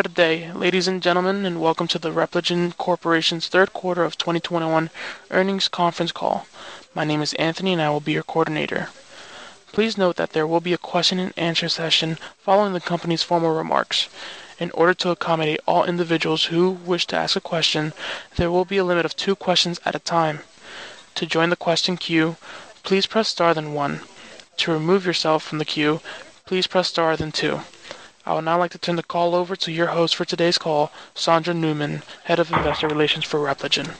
Good day, ladies and gentlemen, and welcome to the Repligen Corporation's third quarter of 2021 earnings conference call. My name is Anthony, and I will be your coordinator. Please note that there will be a question and answer session following the company's formal remarks. In order to accommodate all individuals who wish to ask a question, there will be a limit of two questions at a time. To join the question queue, please press Star then one. To remove yourself from the queue, please press Star then two. I would now like to turn the call over to your host for today's call, Sondra Newman, Head of Investor Relations for Repligen.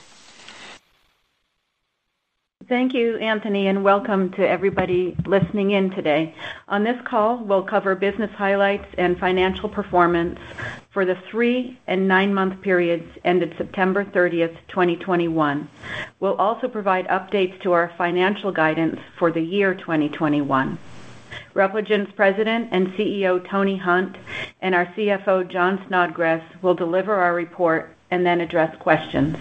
Thank you, Anthony, and welcome to everybody listening in today. On this call, we'll cover business highlights and financial performance for the three- and nine-month periods ended September 30, 2021. We'll also provide updates to our financial guidance for the year 2021. Repligen's President and CEO, Tony Hunt, and our CFO, Jon Snodgres, will deliver our report and then address questions.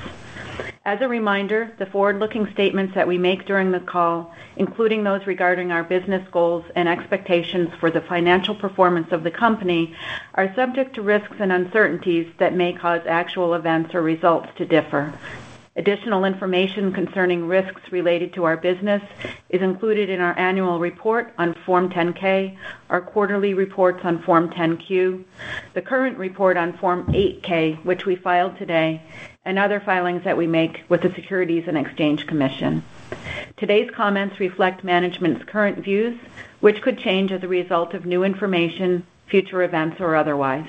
As a reminder, the forward-looking statements that we make during the call, including those regarding our business goals and expectations for the financial performance of the company, are subject to risks and uncertainties that may cause actual events or results to differ. Additional information concerning risks related to our business is included in our annual report on Form 10-K, our quarterly reports on Form 10-Q, the current report on Form 8-K, which we filed today, and other filings that we make with the Securities and Exchange Commission. Today's comments reflect management's current views, which could change as a result of new information, future events, or otherwise.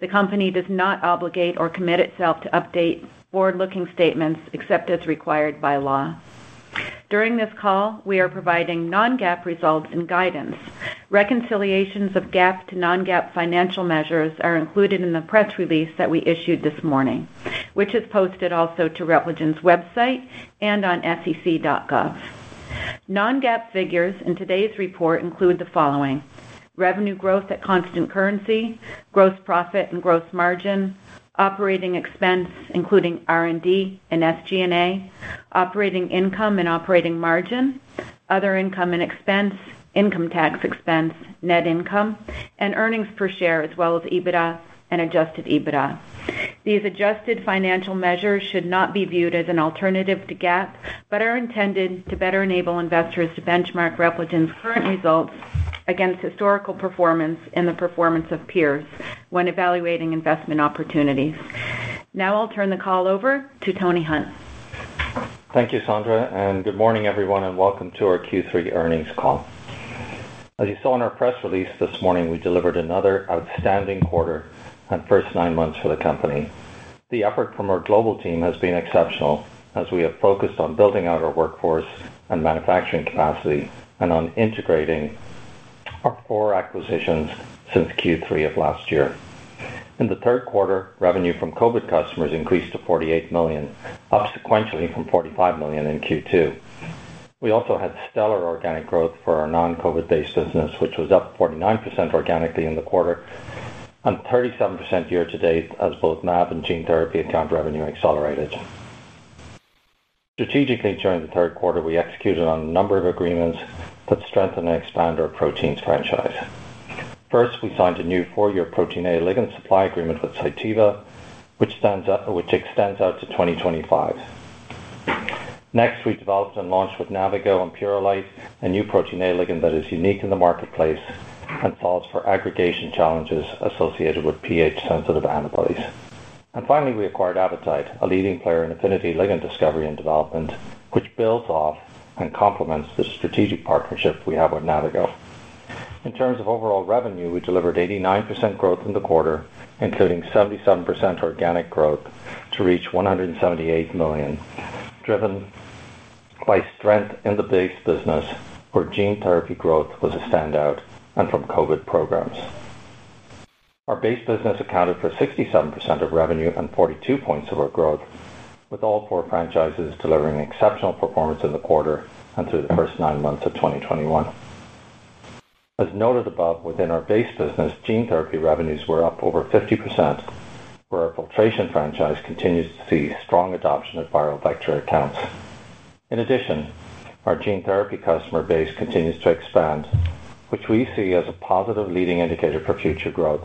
The Company does not obligate or commit itself to update forward-looking statements except as required by law. During this call, we are providing Non-GAAP results and guidance. Reconciliations of GAAP to Non-GAAP financial measures are included in the press release that we issued this morning, which is posted also to Repligen's website and on sec.gov. Non-GAAP figures in today's report include the following, revenue growth at constant currency, gross profit and gross margin, operating expense, including R&D and SG&A, operating income and operating margin, other income and expense, income tax expense, net income, and earnings per share, as well as EBITDA and adjusted EBITDA. These adjusted financial measures should not be viewed as an alternative to GAAP, but are intended to better enable investors to benchmark Repligen's current results against historical performance and the performance of peers when evaluating investment opportunities. Now I'll turn the call over to Tony Hunt. Thank you, Sondra, and good morning, everyone, and welcome to our Q3 earnings call. As you saw in our press release this morning, we delivered another outstanding quarter and first nine months for the company. The effort from our global team has been exceptional as we have focused on building out our workforce and manufacturing capacity and on integrating our four acquisitions since Q3 of last year. In the third quarter, revenue from COVID customers increased to $48 million, up sequentially from $45 million in Q2. We also had stellar organic growth for our non-COVID-based business, which was up 49% organically in the quarter and 37% year to date as both mAb and gene therapy account revenue accelerated. Strategically, during the third quarter, we executed on a number of agreements that strengthen and expand our proteins franchise. First, we signed a new four-year protein A ligand supply agreement with Cytiva, which extends out to 2025. Next, we developed and launched with Navigo and Purolite a new protein A ligand that is unique in the marketplace and solves for aggregation challenges associated with pH-sensitive antibodies. Finally, we acquired Avitide, a leading player in affinity ligand discovery and development, which builds off and complements the strategic partnership we have with Navigo. In terms of overall revenue, we delivered 89% growth in the quarter, including 77% organic growth to reach $178 million, driven by strength in the base business where gene therapy growth was a standout and from COVID programs. Our base business accounted for 67% of revenue and 42 points of our growth, with all four franchises delivering exceptional performance in the quarter and through the first nine months of 2021. As noted above, within our base business, gene therapy revenues were up over 50%, where our filtration franchise continues to see strong adoption of viral vector accounts. In addition, our gene therapy customer base continues to expand, which we see as a positive leading indicator for future growth.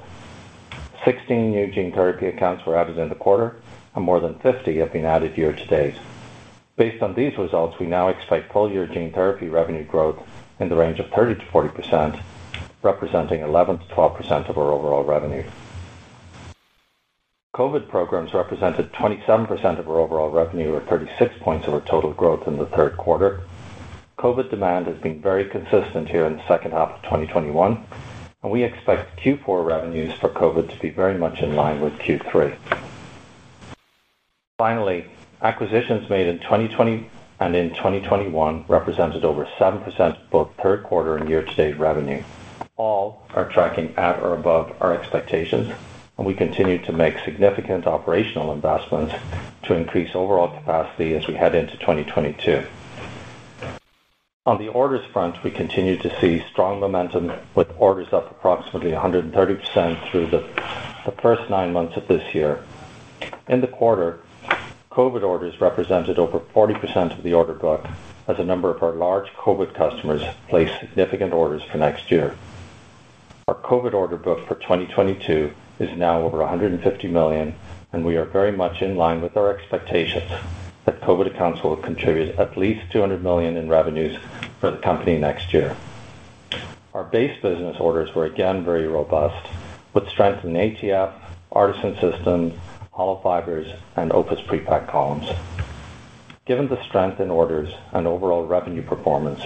16 new gene therapy accounts were added in the quarter and more than 50 have been added year to date. Based on these results, we now expect full year gene therapy revenue growth in the range of 30%-40%, representing 11%-12% of our overall revenue. COVID programs represented 27% of our overall revenue or 36 points of our total growth in the third quarter. COVID demand has been very consistent here in the second half of 2021, and we expect Q4 revenues for COVID to be very much in line with Q3. Finally, acquisitions made in 2020 and in 2021 represented over 7% of both third quarter and year-to-date revenue. All are tracking at or above our expectations, and we continue to make significant operational investments to increase overall capacity as we head into 2022. On the orders front, we continue to see strong momentum with orders up approximately 130% through the first nine months of this year. In the quarter, COVID orders represented over 40% of the order book as a number of our large COVID customers placed significant orders for next year. Our COVID order book for 2022 is now over $150 million, and we are very much in line with our expectations that COVID accounts will contribute at least $200 million in revenues for the company next year. Our base business orders were again very robust with strength in ATF, Artesyn System, Hollow Fibers, and OPUS Pre-packed Columns. Given the strength in orders and overall revenue performance,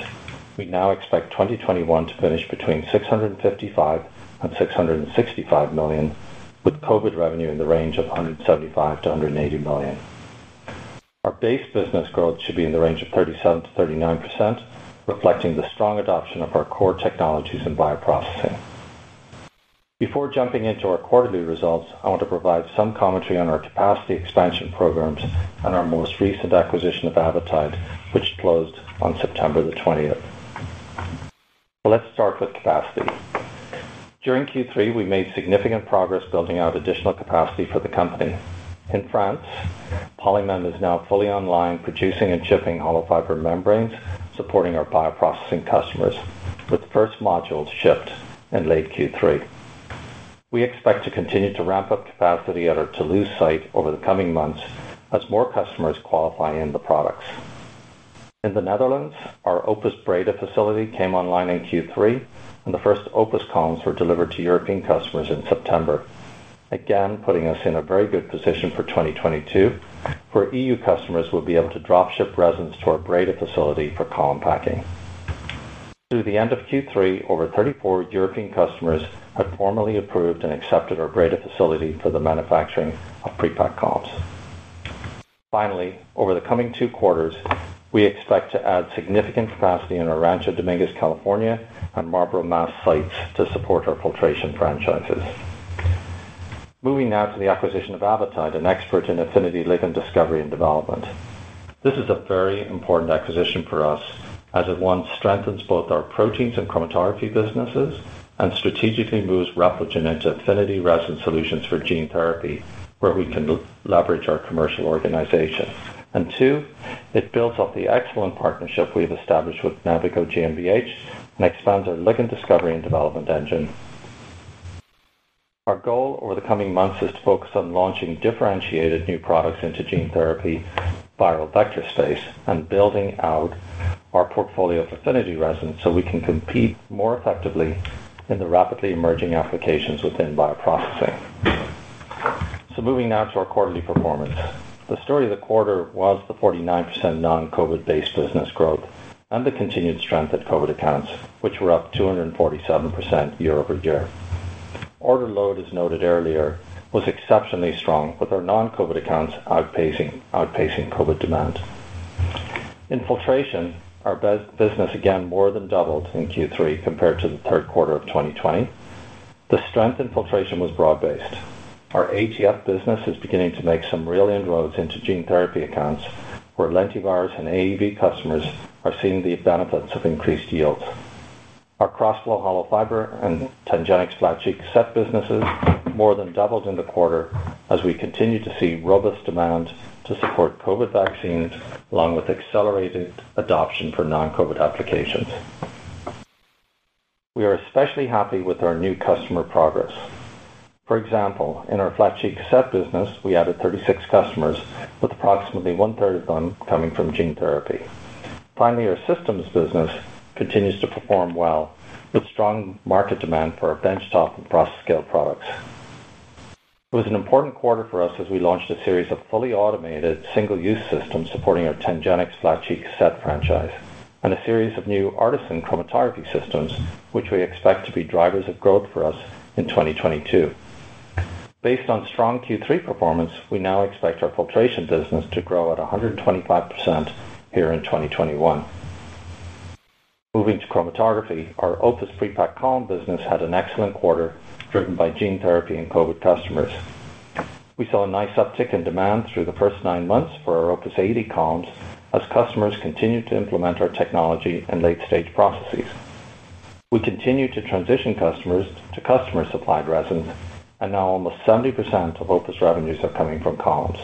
we now expect 2021 to finish between $655 million and $665 million, with COVID revenue in the range of $175 million-$180 million. Our base business growth should be in the range of 37%-39%, reflecting the strong adoption of our core technologies in bioprocessing. Before jumping into our quarterly results, I want to provide some commentary on our capacity expansion programs and our most recent acquisition of Avitide, which closed on September 20. Let's start with capacity. During Q3, we made significant progress building out additional capacity for the company. In France, Polymem is now fully online, producing and shipping hollow fiber membranes, supporting our bioprocessing customers, with first modules shipped in late Q3. We expect to continue to ramp up capacity at our Toulouse site over the coming months as more customers qualify in the products. In the Netherlands, our OPUS Breda facility came online in Q3, and the first OPUS columns were delivered to European customers in September, again, putting us in a very good position for 2022, where EU customers will be able to drop ship resins to our Breda facility for column packing. Through the end of Q3, over 34 European customers have formally approved and accepted our Breda facility for the manufacturing of pre-packed columns. Finally, over the coming 2 quarters, we expect to add significant capacity in our Rancho Dominguez, California, and Marlborough, Mass. sites to support our filtration franchises. Moving now to the acquisition of Avitide, an expert in affinity ligand discovery and development. This is a very important acquisition for us as it, one, strengthens both our proteins and chromatography businesses and strategically moves Repligen into affinity resin solutions for gene therapy, where we can leverage our commercial organization. Two, it builds up the excellent partnership we have established with Navigo Proteins GmbH and expands our ligand discovery and development engine. Our goal over the coming months is to focus on launching differentiated new products into gene therapy viral vector space and building out our portfolio of affinity resins so we can compete more effectively in the rapidly emerging applications within bioprocessing. Moving now to our quarterly performance. The story of the quarter was the 49% non-COVID-based business growth and the continued strength at COVID accounts, which were up 247% year-over-year. Order load, as noted earlier, was exceptionally strong, with our non-COVID accounts outpacing COVID demand. In filtration, our business, again, more than doubled in Q3 compared to the third quarter of 2020. The strength in filtration was broad-based. Our ATF business is beginning to make some real inroads into gene therapy accounts where lentivirus and AAV customers are seeing the benefits of increased yields. Our Crossflow hollow fiber and TangenX Flat Sheet Cassette businesses more than doubled in the quarter as we continue to see robust demand to support COVID vaccines, along with accelerated adoption for non-COVID applications. We are especially happy with our new customer progress. For example, in our Flat Sheet Cassette business, we added 36 customers with approximately one-third of them coming from gene therapy. Finally, our systems business continues to perform well with strong market demand for our benchtop and process scale products. It was an important quarter for us as we launched a series of fully automated single-use systems supporting our TangenX Flat Sheet Cassette franchise and a series of new ARTeSYN chromatography systems, which we expect to be drivers of growth for us in 2022. Based on strong Q3 performance, we now expect our filtration business to grow at 125% here in 2021. Moving to chromatography, our OPUS pre-packed column business had an excellent quarter driven by gene therapy and COVID customers. We saw a nice uptick in demand through the first nine months for our OPUS 80 columns as customers continued to implement our technology in late-stage processes. We continue to transition customers to customer-supplied resin, and now almost 70% of OPUS revenues are coming from columns.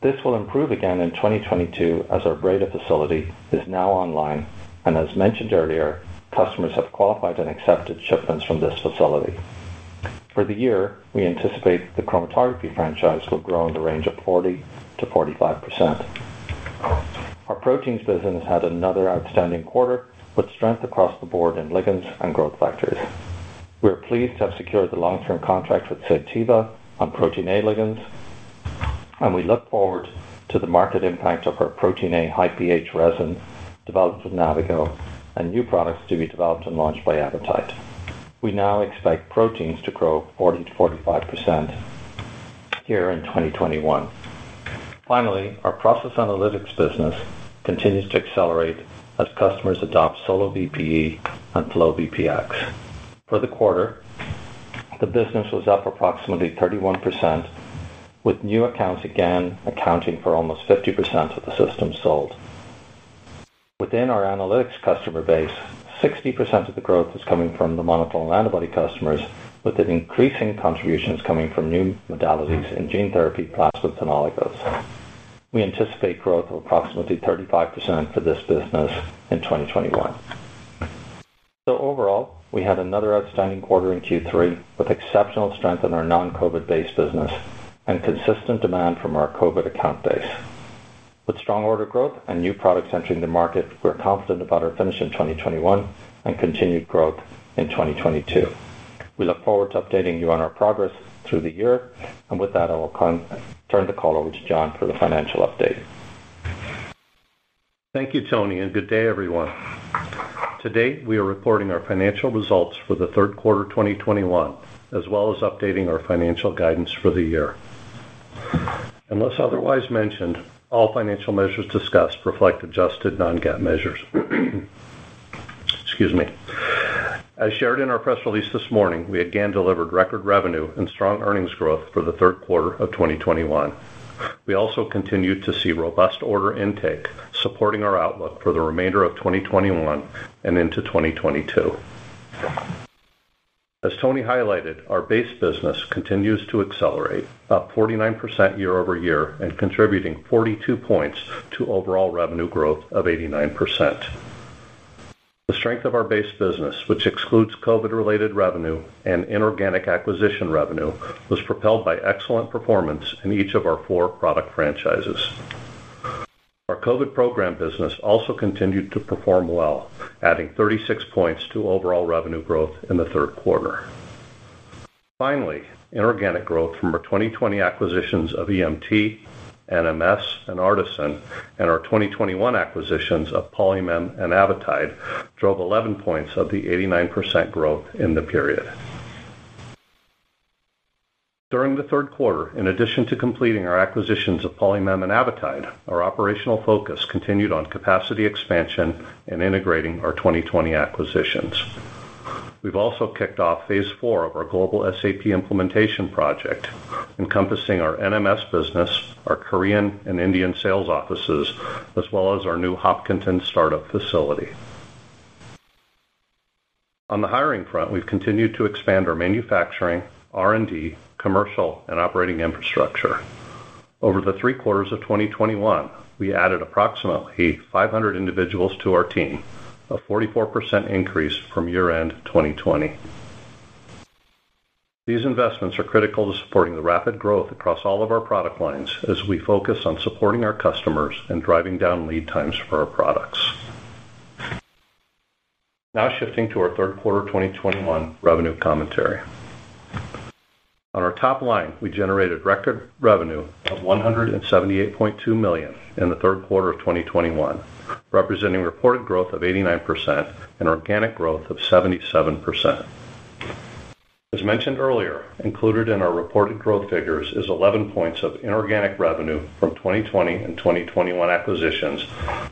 This will improve again in 2022 as our Breda facility is now online, and as mentioned earlier, customers have qualified and accepted shipments from this facility. For the year, we anticipate the chromatography franchise will grow in the range of 40%-45%. Our proteins business had another outstanding quarter with strength across the board in ligands and growth factors. We are pleased to have secured the long-term contract with Cytiva on protein A ligand, and we look forward to the market impact of our protein A high pH resin developed with Navigo and new products to be developed and launched by Avitide. We now expect proteins to grow 40%-45% here in 2021. Finally, our process analytics business continues to accelerate as customers adopt SoloVPE and FlowVPX. For the quarter, the business was up approximately 31%, with new accounts again accounting for almost 50% of the systems sold. Within our analytics customer base, 60% of the growth is coming from the monoclonal antibody customers, with increasing contributions coming from new modalities in gene therapy, plasmids, and oligos. We anticipate growth of approximately 35% for this business in 2021. Overall, we had another outstanding quarter in Q3 with exceptional strength in our non-COVID base business and consistent demand from our COVID account base. With strong order growth and new products entering the market, we're confident about our finish in 2021 and continued growth in 2022. We look forward to updating you on our progress through the year. With that, I will turn the call over to Jon for the financial update. Thank you, Tony, and good day, everyone. To date, we are reporting our financial results for the third quarter 2021, as well as updating our financial guidance for the year. Unless otherwise mentioned, all financial measures discussed reflect adjusted Non-GAAP measures. Excuse me. As shared in our press release this morning, we again delivered record revenue and strong earnings growth for the third quarter of 2021. We also continued to see robust order intake supporting our outlook for the remainder of 2021 and into 2022. As Tony highlighted, our base business continues to accelerate up 49% year-over-year and contributing 42 points to overall revenue growth of 89%. The strength of our base business, which excludes COVID-related revenue and inorganic acquisition revenue, was propelled by excellent performance in each of our four product franchises. Our COVID program business also continued to perform well, adding 36 points to overall revenue growth in the third quarter. Inorganic growth from our 2020 acquisitions of EMT, NMS, and ARTeSYN, and our 2021 acquisitions of PolyMem and Avitide drove 11 points of the 89% growth in the period. During the third quarter, in addition to completing our acquisitions of PolyMem and Avitide, our operational focus continued on capacity expansion and integrating our 2020 acquisitions. We've also kicked off phase IV of our global SAP implementation project, encompassing our NMS business, our Korean and Indian sales offices, as well as our new Hopkinton startup facility. On the hiring front, we've continued to expand our manufacturing, R&D, commercial, and operating infrastructure. Over the three quarters of 2021, we added approximately 500 individuals to our team, a 44% increase from year-end 2020. These investments are critical to supporting the rapid growth across all of our product lines as we focus on supporting our customers and driving down lead times for our products. Now shifting to our third quarter 2021 revenue commentary. On our top line, we generated record revenue of $178.2 million in the third quarter of 2021, representing reported growth of 89% and organic growth of 77%. As mentioned earlier, included in our reported growth figures is 11 points of inorganic revenue from 2020 and 2021 acquisitions,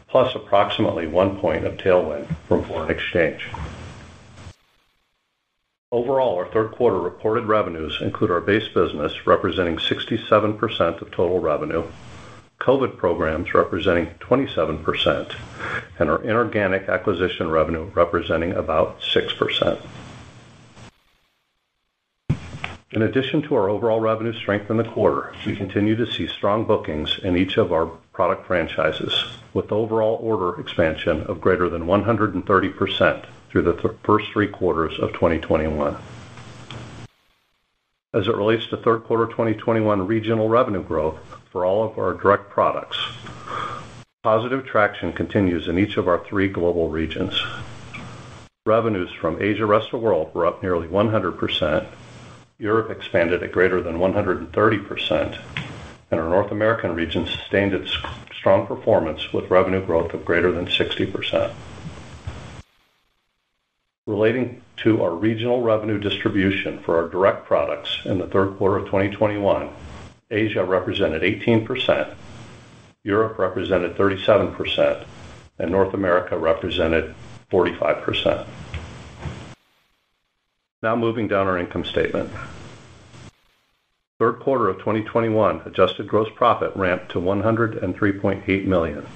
plus approximately 1 point of tailwind from foreign exchange. Overall, our third quarter reported revenues include our base business representing 67% of total revenue, COVID programs representing 27%, and our inorganic acquisition revenue representing about 6%. In addition to our overall revenue strength in the quarter, we continue to see strong bookings in each of our product franchises, with overall order expansion of greater than 130% through the first three quarters of 2021. As it relates to third quarter 2021 regional revenue growth for all of our direct products, positive traction continues in each of our three global regions. Revenues from Asia/Rest of World were up nearly 100%, Europe expanded at greater than 130%, and our North American region sustained its strong performance with revenue growth of greater than 60%. Relating to our regional revenue distribution for our direct products in the third quarter of 2021, Asia represented 18%, Europe represented 37%, and North America represented 45%. Now moving down our income statement. Third quarter of 2021 adjusted gross profit ramped to $103.8 million,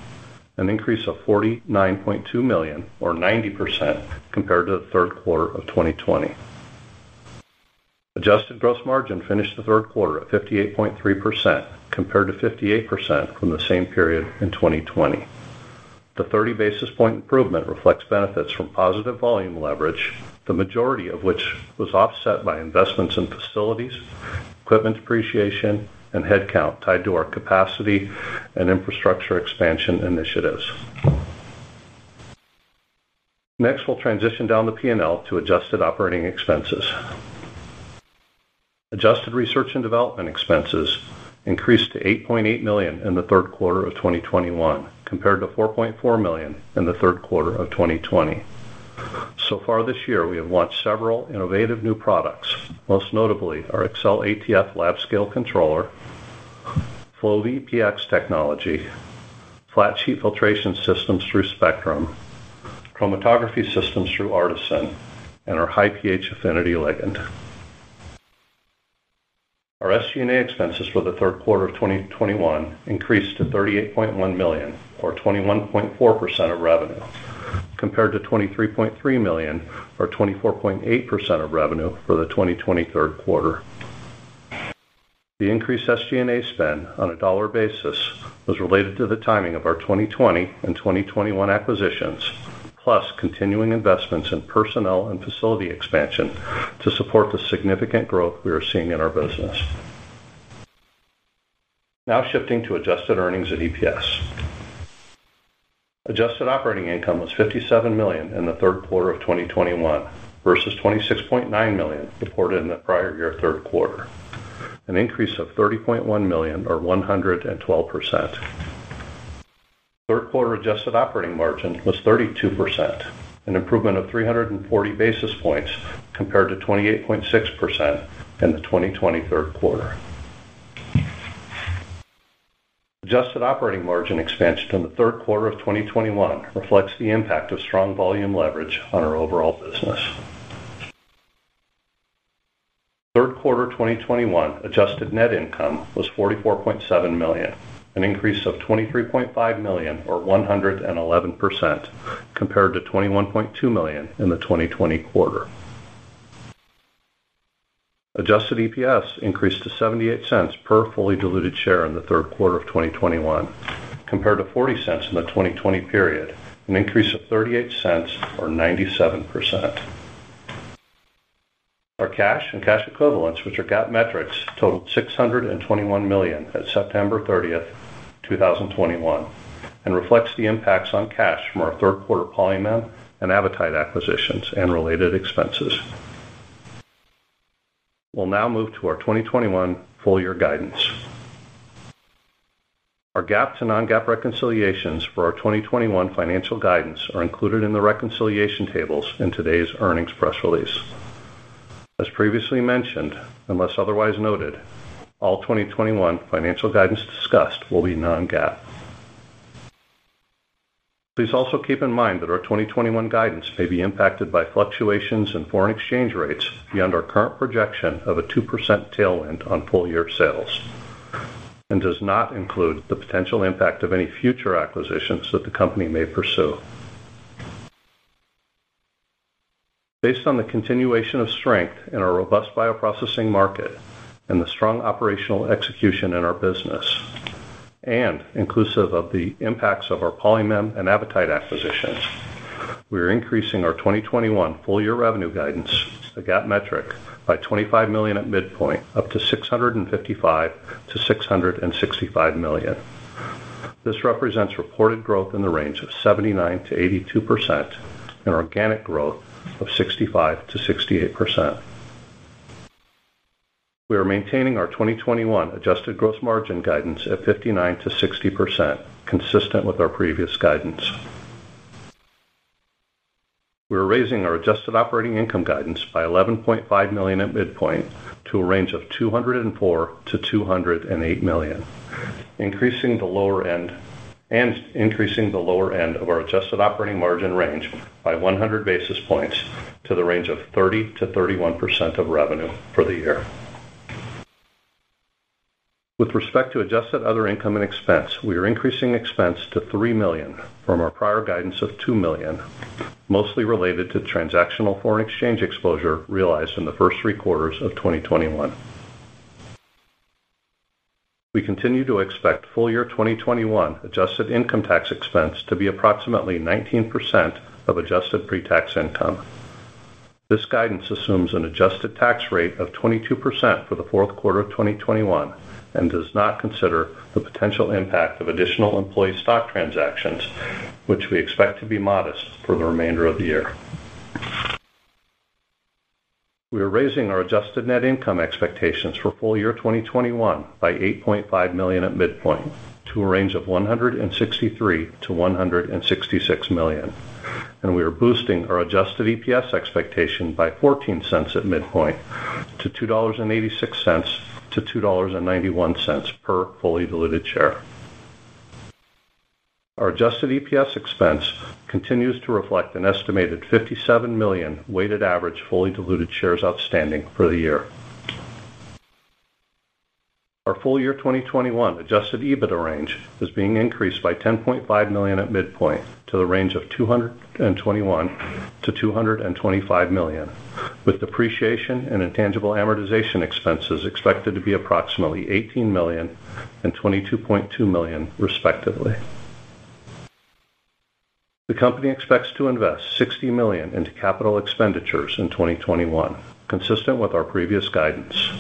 an increase of $49.2 million or 90% compared to the third quarter of 2020. Adjusted gross margin finished the third quarter at 58.3% compared to 58% from the same period in 2020. The 30 basis point improvement reflects benefits from positive volume leverage, the majority of which was offset by investments in facilities, equipment depreciation, and headcount tied to our capacity and infrastructure expansion initiatives. Next, we'll transition down the P&L to adjusted operating expenses. Adjusted research and development expenses increased to $8.8 million in the third quarter of 2021, compared to $4.4 million in the third quarter of 2020. So far this year, we have launched several innovative new products, most notably our XCell ATF Lab-Scale Controller, FlowVPX technology, Flat Sheet Filtration Systems through Spectrum, Chromatography Systems through ARTeSYN, and our high pH affinity ligand. Our SG&A expenses for the third quarter of 2021 increased to $38.1 million, or 21.4% of revenue, compared to $23.3 million, or 24.8% of revenue for the 2020 third quarter. The increased SG&A spend on a dollar basis was related to the timing of our 2020 and 2021 acquisitions, plus continuing investments in personnel and facility expansion to support the significant growth we are seeing in our business. Now shifting to adjusted EPS. Adjusted operating income was $57 million in the third quarter of 2021 versus $26.9 million reported in the prior year third quarter, an increase of $30.1 million or 112%. Third quarter adjusted operating margin was 32%, an improvement of 340 basis points compared to 28.6% in the 2020 third quarter. Adjusted operating margin expansion in the third quarter of 2021 reflects the impact of strong volume leverage on our overall business. Third quarter 2021 adjusted net income was $44.7 million, an increase of $23.5 million or 111% compared to $21.2 million in the 2020 quarter. Adjusted EPS increased to $0.78 per fully diluted share in the third quarter of 2021 compared to $0.40 in the 2020 period, an increase of $0.38 or 97%. Our cash and cash equivalents, which are GAAP metrics, totaled $621 million at September 30, 2021, and reflects the impacts on cash from our third quarter Polymem and Avitide acquisitions and related expenses. We'll now move to our 2021 full year guidance. Our GAAP to Non-GAAP reconciliations for our 2021 financial guidance are included in the reconciliation tables in today's earnings press release. As previously mentioned, unless otherwise noted, all 2021 financial guidance discussed will be Non-GAAP. Please also keep in mind that our 2021 guidance may be impacted by fluctuations in foreign exchange rates beyond our current projection of a 2% tailwind on full year sales, and does not include the potential impact of any future acquisitions that the company may pursue. Based on the continuation of strength in our robust bioprocessing market and the strong operational execution in our business, and inclusive of the impacts of our Polymem and Avitide acquisitions, we are increasing our 2021 full year revenue guidance, the GAAP metric, by $25 million at midpoint up to $655 million-$665 million. This represents reported growth in the range of 79%-82% and organic growth of 65%-68%. We are maintaining our 2021 adjusted gross margin guidance at 59%-60%, consistent with our previous guidance. We are raising our adjusted operating income guidance by $11.5 million at midpoint to a range of $204 million-$208 million, increasing the lower end of our adjusted operating margin range by 100 basis points to the range of 30%-31% of revenue for the year. With respect to adjusted other income and expense, we are increasing expense to $3 million from our prior guidance of $2 million, mostly related to transactional foreign exchange exposure realized in the first three quarters of 2021. We continue to expect full year 2021 adjusted income tax expense to be approximately 19% of adjusted pre-tax income. This guidance assumes an adjusted tax rate of 22% for the fourth quarter of 2021 and does not consider the potential impact of additional employee stock transactions, which we expect to be modest for the remainder of the year. We are raising our adjusted net income expectations for full year 2021 by $8.5 million at midpoint to a range of $163 million-$166 million, and we are boosting our adjusted EPS expectation by $0.14 at midpoint to $2.86-$2.91 per fully diluted share. Our adjusted EPS continues to reflect an estimated 57 million weighted average fully diluted shares outstanding for the year. Our full year 2021 adjusted EBITDA range is being increased by $10.5 million at midpoint to the range of $221 million-$225 million, with depreciation and intangible amortization expenses expected to be approximately $18 million and $22.2 million respectively. The company expects to invest $60 million into capital expenditures in 2021, consistent with our previous guidance.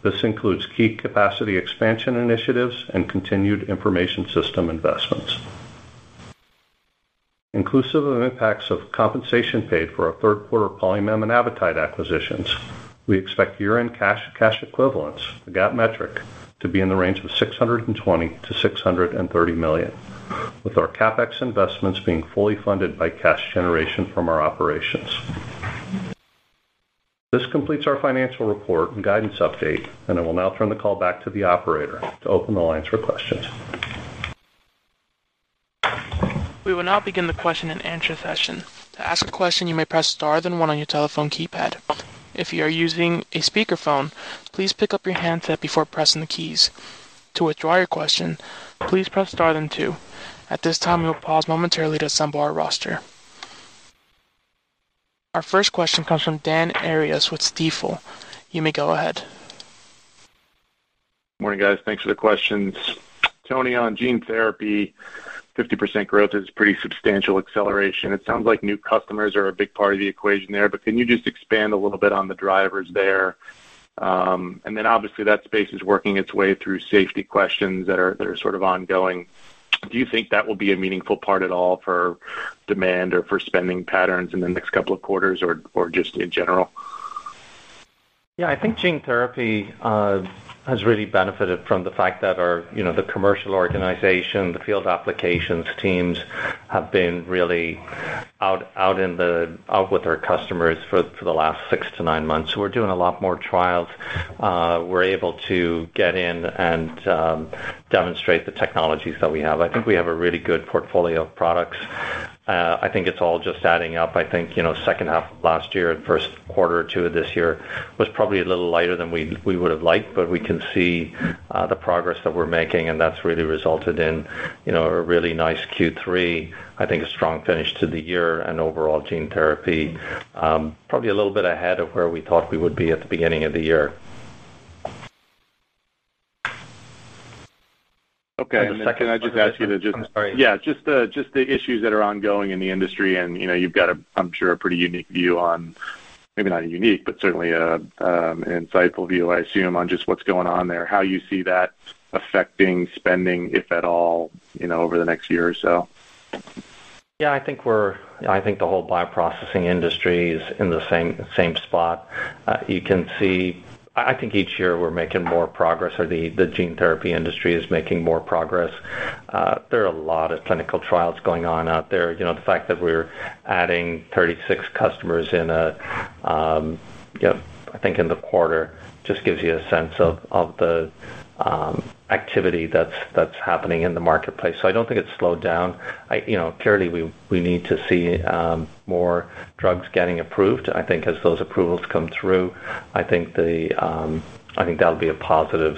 This includes key capacity expansion initiatives and continued information system investments. Inclusive of impacts of compensation paid for our third quarter Polymem and Avitide acquisitions, we expect year-end cash and cash equivalents, the GAAP metric, to be in the range of $620 million-$630 million, with our CapEx investments being fully funded by cash generation from our operations. This completes our financial report and guidance update, and I will now turn the call back to the operator to open the lines for questions. We will now begin the question and answer session. To ask a question, you may press star, then one on your telephone keypad. If you are using a speakerphone, please pick up your handset before pressing the keys. To withdraw your question, please press star, then two. At this time, we will pause momentarily to assemble our roster. Our first question comes from Dan Arias with Stifel. You may go ahead. Morning, guys. Thanks for the questions. Tony, on gene therapy, 50% growth is pretty substantial acceleration. It sounds like new customers are a big part of the equation there, but can you just expand a little bit on the drivers there? Obviously, that space is working its way through safety questions that are sort of ongoing. Do you think that will be a meaningful part at all for demand or for spending patterns in the next couple of quarters or just in general? Yeah, I think gene therapy has really benefited from the fact that our, you know, the commercial organization, the field applications teams have been really out with our customers for the last six-nine months. We're doing a lot more trials. We're able to get in and demonstrate the technologies that we have. I think we have a really good portfolio of products. I think it's all just adding up. I think, you know, second half of last year and first quarter or two of this year was probably a little lighter than we would have liked, but we can see the progress that we're making, and that's really resulted in, you know, a really nice Q3, I think, a strong finish to the year and overall gene therapy. Probably a little bit ahead of where we thought we would be at the beginning of the year. Okay. Second, I just ask you to. I'm sorry. Yeah, just the issues that are ongoing in the industry and, you know, you've got a, I'm sure a pretty unique view on, maybe not a unique, but certainly a, insightful view, I assume, on just what's going on there. How you see that affecting spending, if at all, you know, over the next year or so? Yeah, I think the whole bioprocessing industry is in the same spot. I think each year we're making more progress or the gene therapy industry is making more progress. There are a lot of clinical trials going on out there. You know, the fact that we're adding 36 customers in the quarter just gives you a sense of the activity that's happening in the marketplace. I don't think it's slowed down. You know, clearly, we need to see more drugs getting approved. I think as those approvals come through, I think that'll be a positive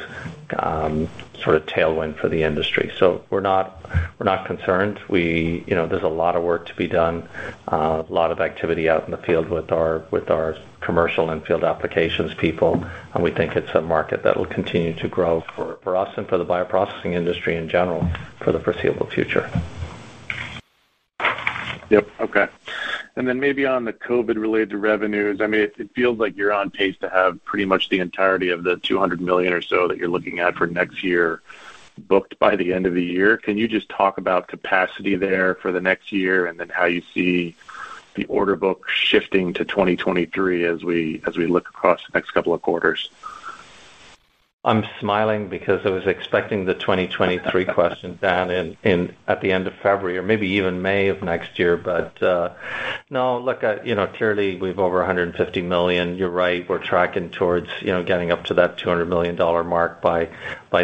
sort of tailwind for the industry. We're not concerned. You know, there's a lot of work to be done, a lot of activity out in the field with our commercial and field applications people, and we think it's a market that will continue to grow for us and for the bioprocessing industry in general for the foreseeable future. Yep. Okay. Maybe on the COVID-related revenues, I mean, it feels like you're on pace to have pretty much the entirety of the $200 million or so that you're looking at for next year booked by the end of the year. Can you just talk about capacity there for the next year and then how you see the order book shifting to 2023 as we look across the next couple of quarters? I'm smiling because I was expecting the 2023 question, Dan, in at the end of February or maybe even May of next year. No, look, you know, clearly, we've over $150 million. You're right. We're tracking towards, you know, getting up to that $200 million mark by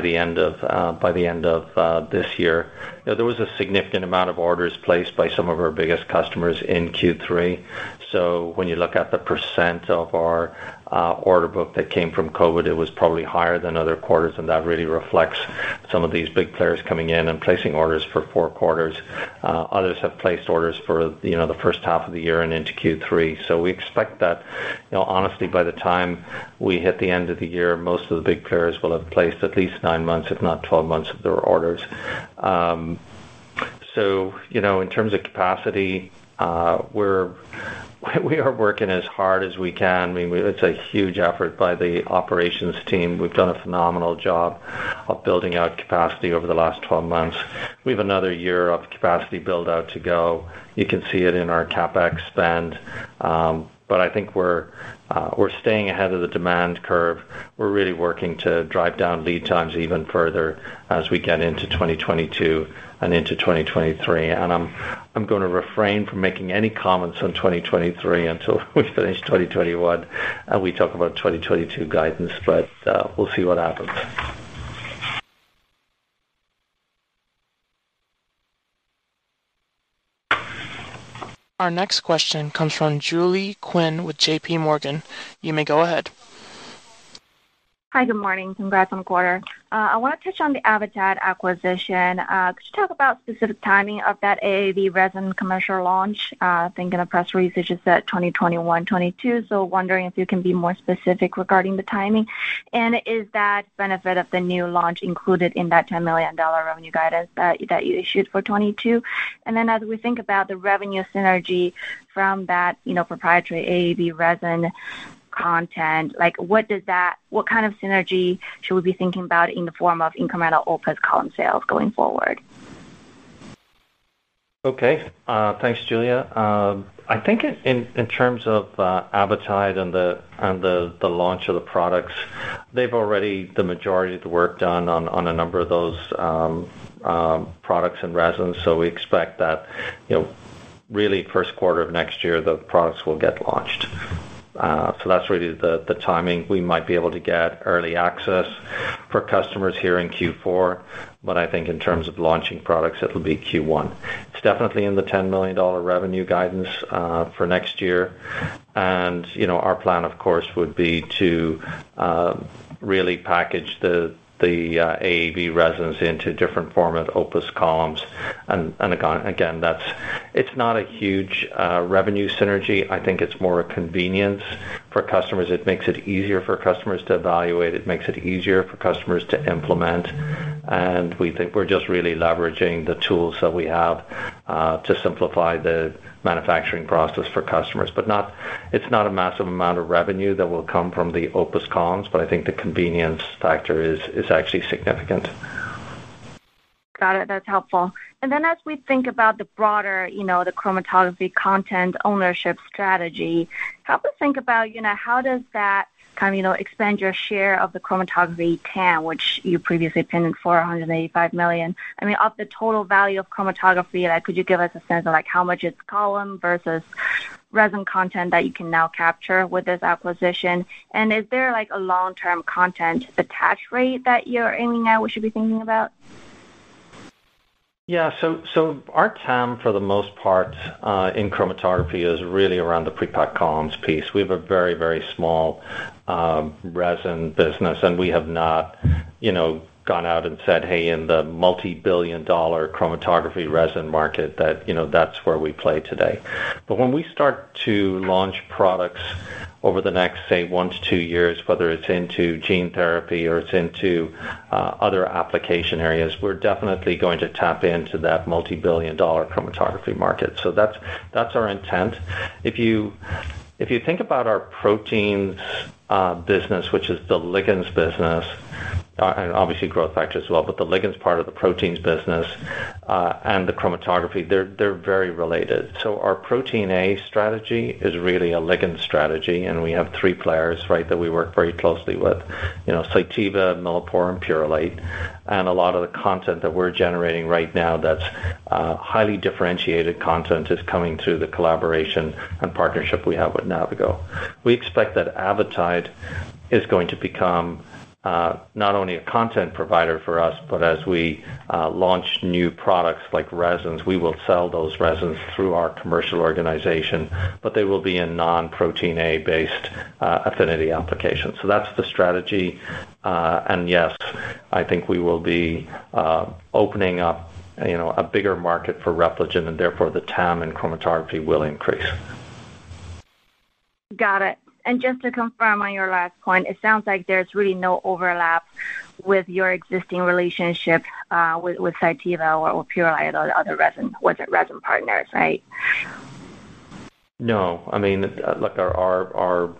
the end of this year. You know, there was a significant amount of orders placed by some of our biggest customers in Q3. So when you look at the % of our order book that came from COVID, it was probably higher than other quarters, and that really reflects some of these big players coming in and placing orders for four quarters. Others have placed orders for, you know, the first half of the year and into Q3. We expect that, you know, honestly, by the time we hit the end of the year, most of the big players will have placed at least nine months, if not 12 months of their orders. You know, in terms of capacity, we are working as hard as we can. I mean, it's a huge effort by the operations team. We've done a phenomenal job of building out capacity over the last 12 months. We have another year of capacity build-out to go. You can see it in our CapEx spend, but I think we're staying ahead of the demand curve. We're really working to drive down lead times even further as we get into 2022 and into 2023. I'm gonna refrain from making any comments on 2023 until we finish 2021, and we talk about 2022 guidance, but we'll see what happens. Our next question comes from Julia Qin with JPMorgan. You may go ahead. Hi, good morning. Congrats on the quarter. I wanna touch on the Avitide acquisition. Could you talk about specific timing of that AAV resin commercial launch? I think in a press release, you said 2021, 2022. So wondering if you can be more specific regarding the timing. Is that benefit of the new launch included in that $10 million revenue guidance that you issued for 2022? Then as we think about the revenue synergy from that, you know, proprietary AAV resin content, like, what kind of synergy should we be thinking about in the form of incremental OPUS column sales going forward? Okay. Thanks, Julia. I think in terms of Avitide and the launch of the products, they've already the majority of the work done on a number of those products and resins. So we expect that, you know. Really first quarter of next year, the products will get launched. So that's really the timing. We might be able to get early access for customers here in Q4, but I think in terms of launching products, it'll be Q1. It's definitely in the $10 million revenue guidance for next year. You know, our plan, of course, would be to really package the AAV resins into different format OPUS columns and again, that's. It's not a huge revenue synergy. I think it's more a convenience for customers. It makes it easier for customers to evaluate. It makes it easier for customers to implement. We think we're just really leveraging the tools that we have to simplify the manufacturing process for customers. It's not a massive amount of revenue that will come from the OPUS columns, but I think the convenience factor is actually significant. Got it. That's helpful. As we think about the broader, you know, the chromatography content ownership strategy, help us think about, you know, how does that kind of, you know, expand your share of the chromatography TAM, which you previously pinned at $485 million. I mean, of the total value of chromatography, like, could you give us a sense of, like, how much it's column versus resin content that you can now capture with this acquisition? Is there, like, a long-term content attach rate that you're aiming at we should be thinking about? Our TAM, for the most part, in chromatography is really around the pre-packed columns piece. We have a very, very small resin business, and we have not, you know, gone out and said, "Hey, in the multi-billion dollar chromatography resin market that, you know, that's where we play today." When we start to launch products over the next, say, one-two years, whether it's into gene therapy or it's into other application areas, we're definitely going to tap into that multi-billion dollar chromatography market. That's our intent. If you think about our protein business, which is the ligands business, and obviously growth factors as well, but the ligands part of the proteins business, and the chromatography, they're very related. Our protein A strategy is really a ligand strategy, and we have three players, right, that we work very closely with. You know, Cytiva, Millipore, and Purolite. A lot of the content that we're generating right now that's highly differentiated content is coming through the collaboration and partnership we have with Navigo. We expect that Avitide is going to become not only a content provider for us, but as we launch new products like resins, we will sell those resins through our commercial organization, but they will be in non-protein A-based affinity applications. That's the strategy. Yes, I think we will be opening up, you know, a bigger market for Repligen, and therefore the TAM and chromatography will increase. Got it. Just to confirm on your last point, it sounds like there's really no overlap with your existing relationship with Cytiva or Purolite or the other resin partners, right? No. I mean, like our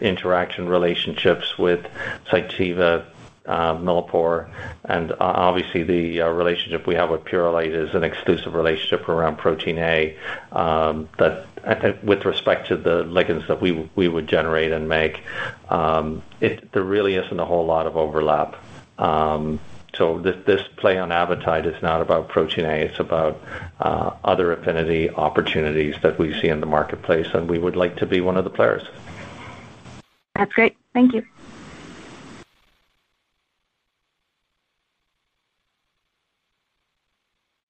interaction relationships with Cytiva, Millipore, and obviously the relationship we have with Purolite is an exclusive relationship around Protein A. I think with respect to the ligands that we would generate and make, there really isn't a whole lot of overlap. This play on Avitide is not about Protein A. It's about other affinity opportunities that we see in the marketplace, and we would like to be one of the players. That's great. Thank you.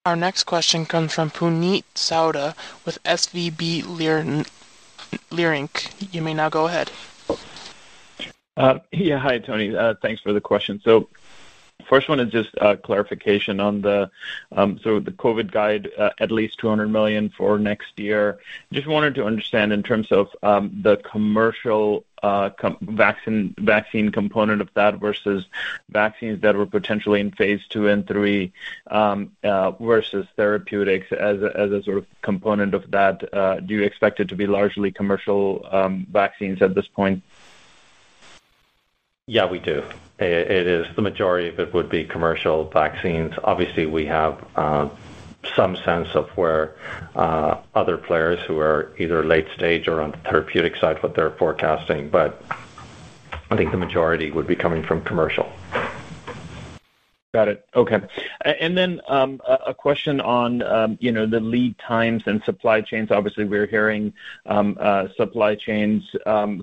Our next question comes from Puneet Souda with SVB Leerink. You may now go ahead. Hi, Tony. Thanks for the question. First one is just clarification on the COVID guide, at least $200 million for next year. Just wanted to understand in terms of the commercial vaccine component of that versus vaccines that were potentially in phase II and III versus therapeutics as a sort of component of that. Do you expect it to be largely commercial vaccines at this point? Yeah, we do. It is the majority of it would be commercial vaccines. Obviously, we have some sense of where other players who are either late stage or on the therapeutic side, what they're forecasting. I think the majority would be coming from commercial. Got it. Okay. A question on you know the lead times and supply chains. Obviously, we're hearing supply chains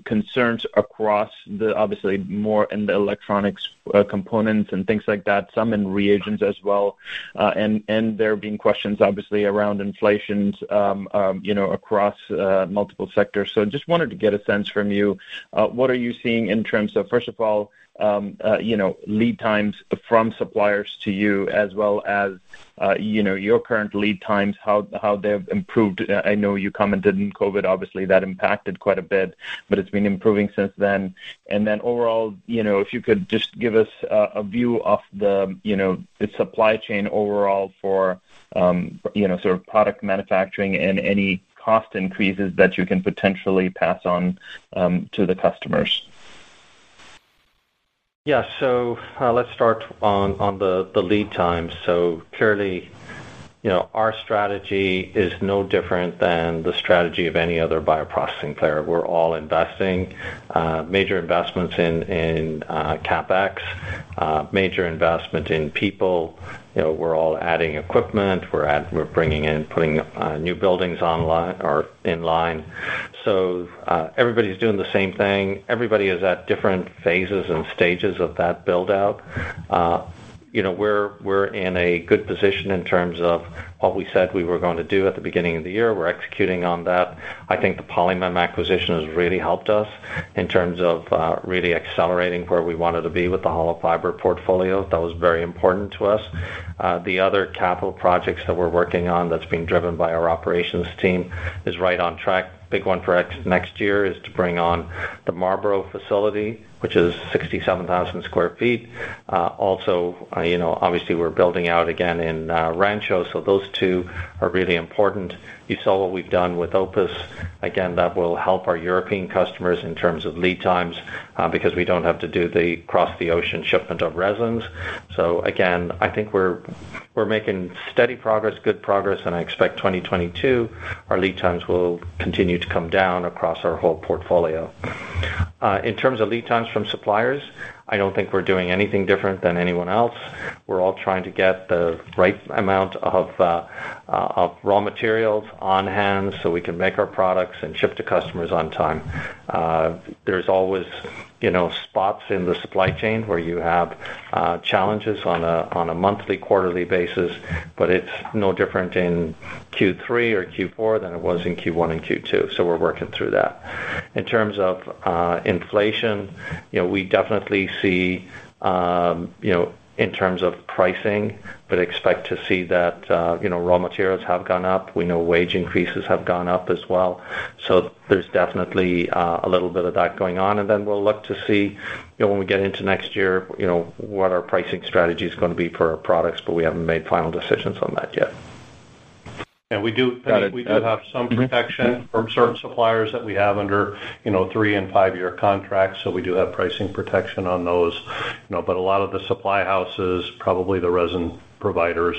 concerns across the obviously more in the electronics components and things like that, some in reagents as well. There have been questions obviously around inflation you know across multiple sectors. Just wanted to get a sense from you what are you seeing in terms of first of all you know lead times from suppliers to you as well as you know your current lead times, how they've improved. I know you commented in COVID, obviously that impacted quite a bit, but it's been improving since then. Then overall, you know, if you could just give us a view of the, you know, the supply chain overall for, you know, sort of product manufacturing and any cost increases that you can potentially pass on to the customers. Yeah, let's start on the lead time. Clearly, you know, our strategy is no different than the strategy of any other bioprocessing player. We're all investing major investments in CapEx, major investment in people. You know, we're all adding equipment. We're bringing in, putting new buildings online or in line. Everybody's doing the same thing. Everybody is at different phases and stages of that build-out. You know, we're in a good position in terms of what we said we were gonna do at the beginning of the year. We're executing on that. I think the Polymem acquisition has really helped us in terms of really accelerating where we wanted to be with the hollow fiber portfolio. That was very important to us. The other capital projects that we're working on that's being driven by our operations team is right on track. Big one for next year is to bring on the Marlborough facility, which is 67,000 sq ft. Also, you know, obviously we're building out again in Rancho, so those two are really important. You saw what we've done with OPUS. Again, that will help our European customers in terms of lead times, because we don't have to do the cross-the-ocean shipment of resins. Again, I think we're making steady progress, good progress, and I expect 2022, our lead times will continue to come down across our whole portfolio. In terms of lead times from suppliers, I don't think we're doing anything different than anyone else. We're all trying to get the right amount of raw materials on hand so we can make our products and ship to customers on time. There's always, you know, spots in the supply chain where you have challenges on a monthly, quarterly basis, but it's no different in Q3 or Q4 than it was in Q1 and Q2. We're working through that. In terms of inflation, you know, we definitely see, you know, in terms of pricing, would expect to see that, you know, raw materials have gone up. We know wage increases have gone up as well. There's definitely a little bit of that going on. We'll look to see, you know, when we get into next year, you know, what our pricing strategy is gonna be for our products, but we haven't made final decisions on that yet. We do have some protection from certain suppliers that we have under, you know, 3- and 5-year contracts, so we do have pricing protection on those. You know, but a lot of the supply houses, probably the resin providers,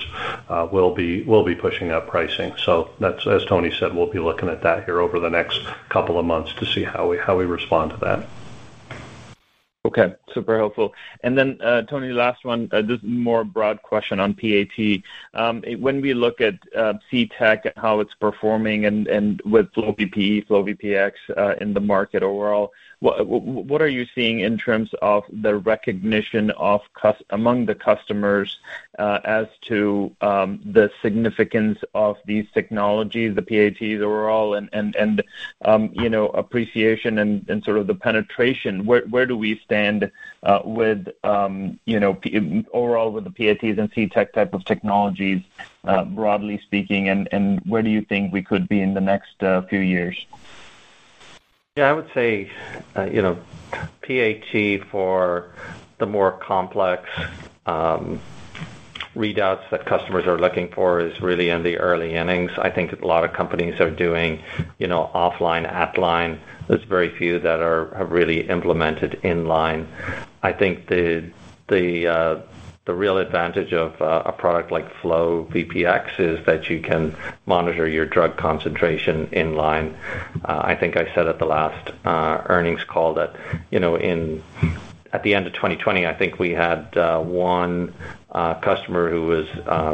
will be pushing up pricing. That's, as Tony said, we'll be looking at that here over the next couple of months to see how we respond to that. Okay, super helpful. Then, Tony, last one, just more broad question on PAT. When we look at CTech, how it's performing and with FlowVPE, FlowVPX in the market overall, what are you seeing in terms of the recognition among the customers as to the significance of these technologies, the PATs overall and you know, appreciation and sort of the penetration? Where do we stand with you know, overall with the PATs and CTech type of technologies, broadly speaking, and where do you think we could be in the next few years? Yeah, I would say, you know, PAT for the more complex readouts that customers are looking for is really in the early innings. I think a lot of companies are doing, you know, offline, at line. There's very few that have really implemented inline. I think the real advantage of a product like FlowVPX is that you can monitor your drug concentration inline. I think I said at the last earnings call that, you know, at the end of 2020, I think we had one customer who was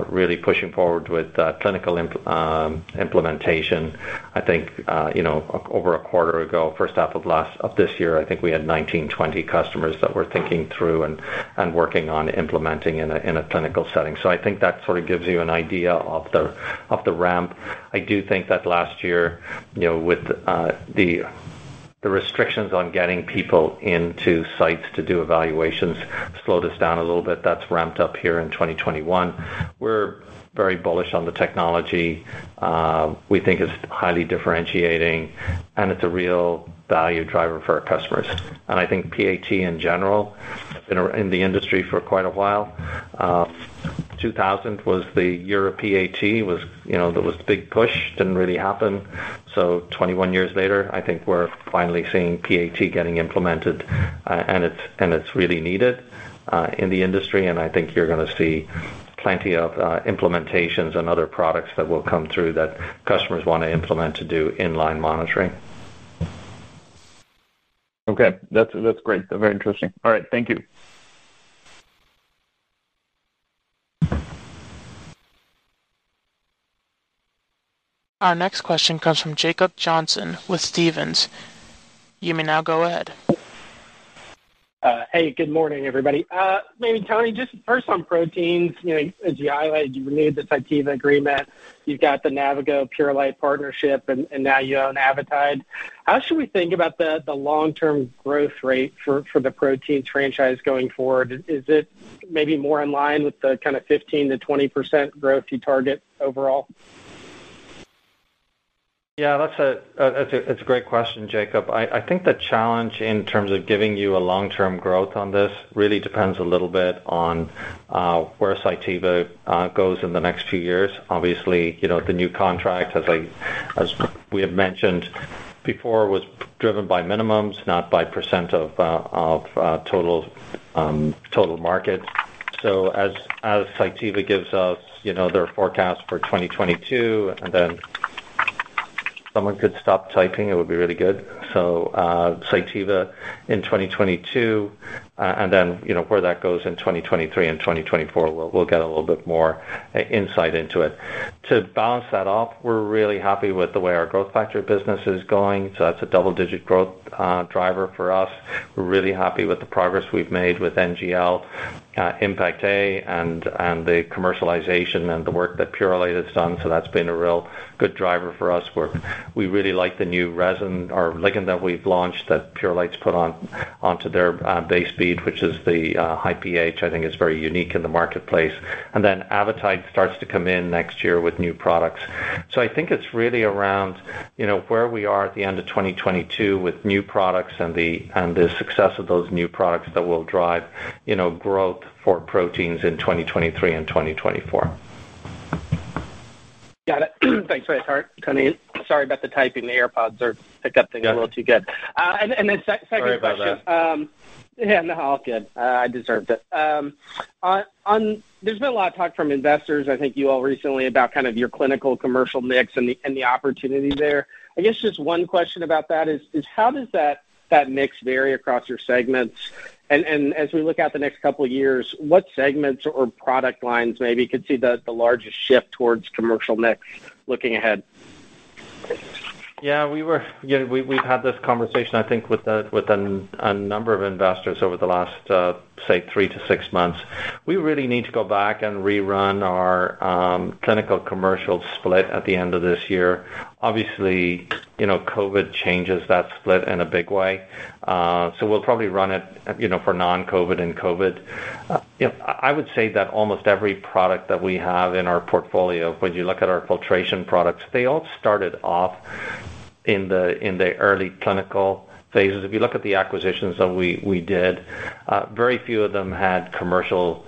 really pushing forward with clinical implementation. I think, you know, over a quarter ago, first half of this year, I think we had 19, 20 customers that were thinking through and working on implementing in a clinical setting. I think that sort of gives you an idea of the ramp. I do think that last year, with the restrictions on getting people into sites to do evaluations slowed us down a little bit. That's ramped up here in 2021. We're very bullish on the technology. We think it's highly differentiating, and it's a real value driver for our customers. I think PAT in general has been in the industry for quite a while. 2000 was the year of PAT, you know, there was a big push, didn't really happen. 21 years later, I think we're finally seeing PAT getting implemented, and it's really needed in the industry, and I think you're gonna see plenty of implementations and other products that will come through that customers wanna implement to do inline monitoring. Okay. That's great. Very interesting. All right. Thank you. Our next question comes from Jacob Johnson with Stephens. You may now go ahead. Hey, good morning, everybody. Maybe Tony, just first on proteins, you know, as you highlighted, you renewed the Cytiva agreement. You've got the Navigo, Purolite partnership, and now you own Avitide. How should we think about the long-term growth rate for the protein franchise going forward? Is it maybe more in line with the kind of 15%-20% growth you target overall? That's a great question, Jacob. I think the challenge in terms of giving you a long-term growth on this really depends a little bit on where Cytiva goes in the next few years. Obviously, you know, the new contract, as we had mentioned before, was driven by minimums, not by percent of total market. S o as Cytiva gives us, you know, their forecast for 2022, and then Cytiva in 2022, and then, you know, where that goes in 2023 and 2024, we'll get a little bit more insight into it. To balance that off, we're really happy with the way our growth factor business is going. So that's a double-digit growth driver for us. We're really happy with the progress we've made with NGL-Impact A and the commercialization and the work that Purolite has done. That's been a real good driver for us, where we really like the new resin or ligand that we've launched that Purolite's put onto their base bead, which is the high pH. I think it's very unique in the marketplace. Then Avitide starts to come in next year with new products. I think it's really around, you know, where we are at the end of 2022 with new products and the success of those new products that will drive, you know, growth for proteins in 2023 and 2024. Got it. Thanks for your time, Tony. Sorry about the typing. The AirPods are picking up things a little too good. Second question. Sorry about that. Yeah, no, all good. I deserved it. There's been a lot of talk from investors, I think you all recently about kind of your clinical commercial mix and the opportunity there. I guess just one question about that is how does that mix vary across your segments? As we look out the next couple of years, what segments or product lines maybe could see the largest shift towards commercial mix looking ahead? You know, we've had this conversation, I think with a number of investors over the last, say 3-6 months. We really need to go back and rerun our clinical commercial split at the end of this year. Obviously, you know, COVID changes that split in a big way. So we'll probably run it, you know, for non-COVID and COVID. You know, I would say that almost every product that we have in our portfolio, when you look at our filtration products, they all started off in the early clinical phases. If you look at the acquisitions that we did, very few of them had commercial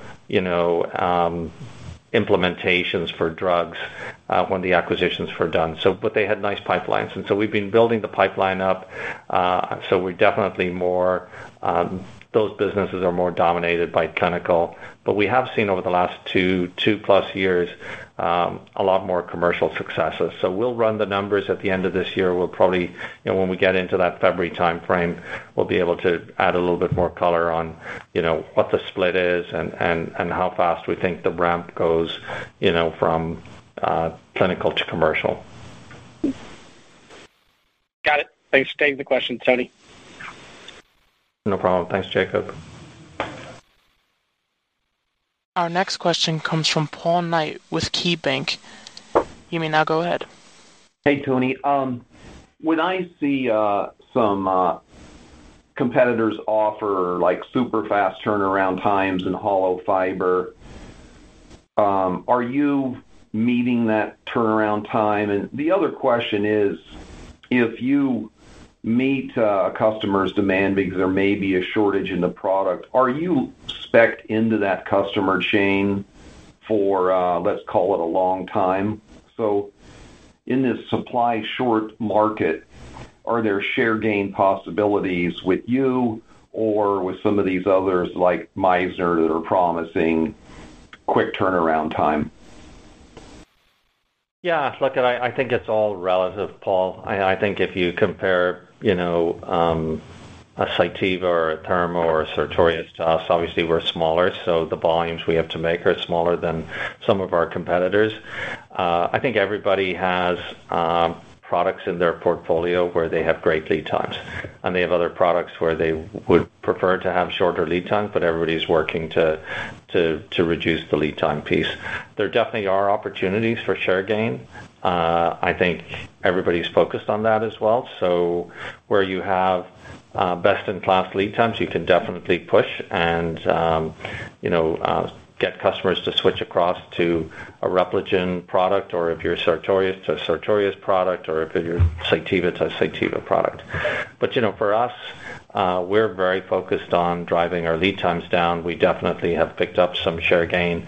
implementations for drugs when the acquisitions were done. They had nice pipelines. We've been building the pipeline up, so we're definitely more, those businesses are more dominated by clinical. We have seen over the last 2+ years a lot more commercial successes. We'll run the numbers at the end of this year. We'll probably, you know, when we get into that February timeframe, we'll be able to add a little bit more color on, you know, what the split is and how fast we think the ramp goes, you know, from clinical to commercial. Got it. Thanks for taking the question, Tony. No problem. Thanks, Jacob. Our next question comes from Paul Knight with KeyBanc. You may now go ahead. Hey, Tony. When I see some competitors offer like super fast turnaround times in hollow fiber, are you meeting that turnaround time? The other question is, if you meet a customer's demand because there may be a shortage in the product, are you spec'd into that customer chain for, let's call it a long time? In this supply short market, are there share gain possibilities with you or with some of these others like Meissner that are promising quick turnaround time? Yeah, look, I think it's all relative, Paul. I think if you compare, you know, a Cytiva or a Thermo or a Sartorius to us, obviously we're smaller, so the volumes we have to make are smaller than some of our competitors. I think everybody has products in their portfolio where they have great lead times, and they have other products where they would prefer to have shorter lead times, but everybody's working to reduce the lead time piece. There definitely are opportunities for share gain. I think everybody's focused on that as well. Where you have best in class lead times, you can definitely push and, you know, get customers to switch across to a Repligen product or if you're Sartorius to Sartorius product or if you're Cytiva to Cytiva product. You know, for us, we're very focused on driving our lead times down. We definitely have picked up some share gain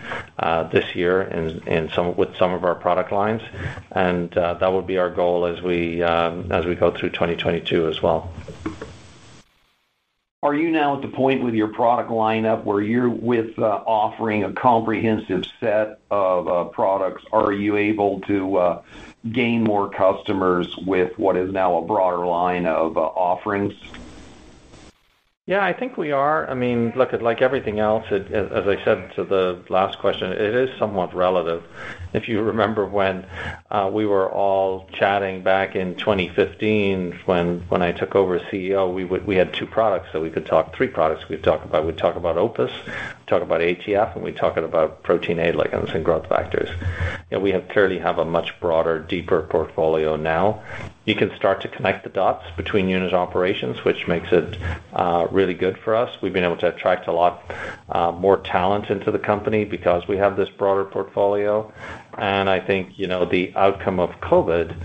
this year with some of our product lines, and that would be our goal as we go through 2022 as well. Are you now at the point with your product lineup where you're offering a comprehensive set of products? Are you able to gain more customers with what is now a broader line of offerings? Yeah, I think we are. I mean, look, like everything else. As I said to the last question, it is somewhat relative. If you remember when we were all chatting back in 2015 when I took over as CEO, we had two products that we could talk, three products we'd talk about. We'd talk about OPUS, talk about ATF, and we're talking about protein A ligands and growth factors. You know, we clearly have a much broader, deeper portfolio now. You can start to connect the dots between unit operations, which makes it really good for us. We've been able to attract a lot more talent into the company because we have this broader portfolio. I think, you know, the outcome of COVID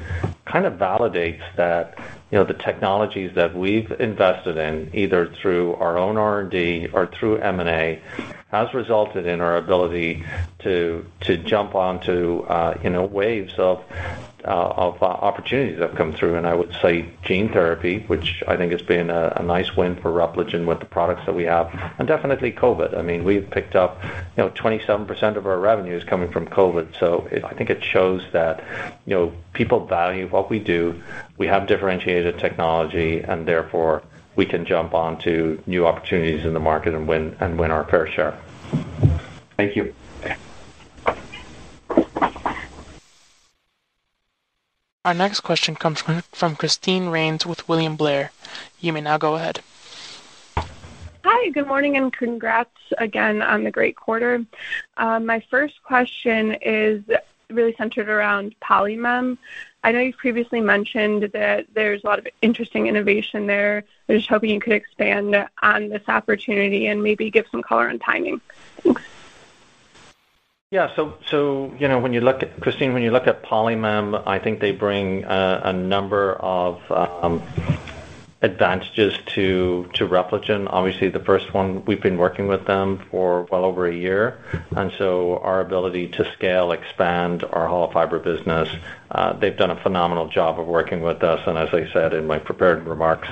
kind of validates that, you know, the technologies that we've invested in, either through our own R&D or through M&A, has resulted in our ability to jump onto, you know, waves of opportunities that have come through. I would say gene therapy, which I think has been a nice win for Repligen with the products that we have, and definitely COVID. I mean, we've picked up, you know, 27% of our revenue is coming from COVID. So it shows that, you know, people value what we do. We have differentiated technology, and therefore we can jump onto new opportunities in the market and win our fair share. Thank you. Our next question comes from Christine Rains with William Blair. You may now go ahead. Hi, good morning, and congrats again on the great quarter. My first question is really centered around Polymem. I know you've previously mentioned that there's a lot of interesting innovation there. I was hoping you could expand on this opportunity and maybe give some color and timing. Thanks. Yeah. So, you know, Christine, when you look at Polymem, I think they bring a number of advantages to Repligen. Obviously, the first one, we've been working with them for well over a year, and our ability to scale, expand our hollow fiber business, they've done a phenomenal job of working with us. As I said in my prepared remarks,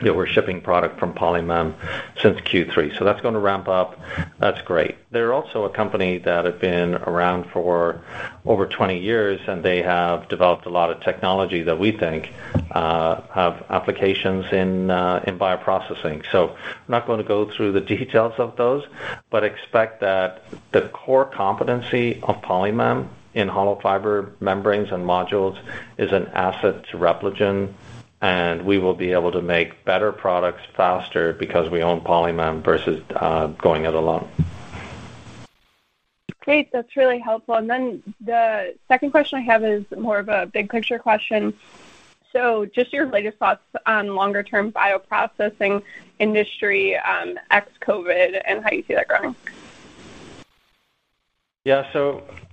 that we're shipping product from Polymem since Q3. That's gonna ramp up. That's great. They're also a company that have been around for over 20 years, and they have developed a lot of technology that we think have applications in bioprocessing. I'm not gonna go through the details of those, but expect that the core competency of Polymem in hollow fiber membranes and modules is an asset to Repligen, and we will be able to make better products faster because we own Polymem versus going it alone. Great. That's really helpful. Then the second question I have is more of a big picture question. Just your latest thoughts on longer-term bioprocessing industry, ex-COVID and how you see that growing? Yeah.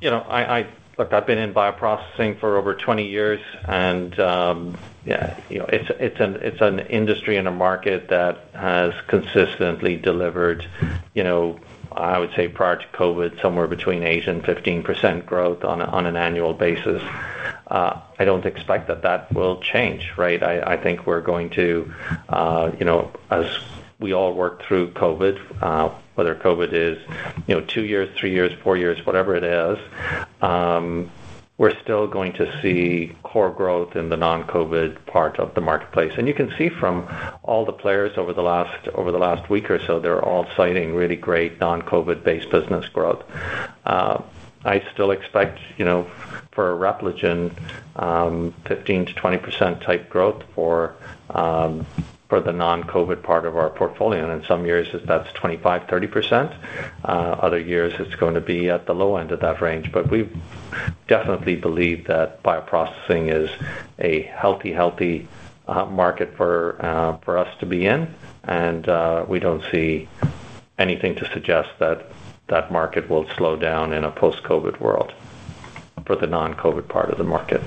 You know, I look, I've been in bioprocessing for over 20 years, and you know, it's an industry and a market that has consistently delivered, you know, I would say prior to COVID, somewhere between 8%-15% growth on an annual basis. I don't expect that will change, right? I think we're going to, you know, as we all work through COVID, whether COVID is, you know, two years, three years, four years, whatever it is, we're still going to see core growth in the non-COVID part of the marketplace. You can see from all the players over the last week or so, they're all citing really great non-COVID based business growth. I still expect, you know, for Repligen, 15%-20% type growth for the non-COVID part of our portfolio. In some years that's 25%, 30%. Other years, it's going to be at the low end of that range. We definitely believe that bioprocessing is a healthy market for us to be in. We don't see anything to suggest that market will slow down in a post-COVID world for the non-COVID part of the market.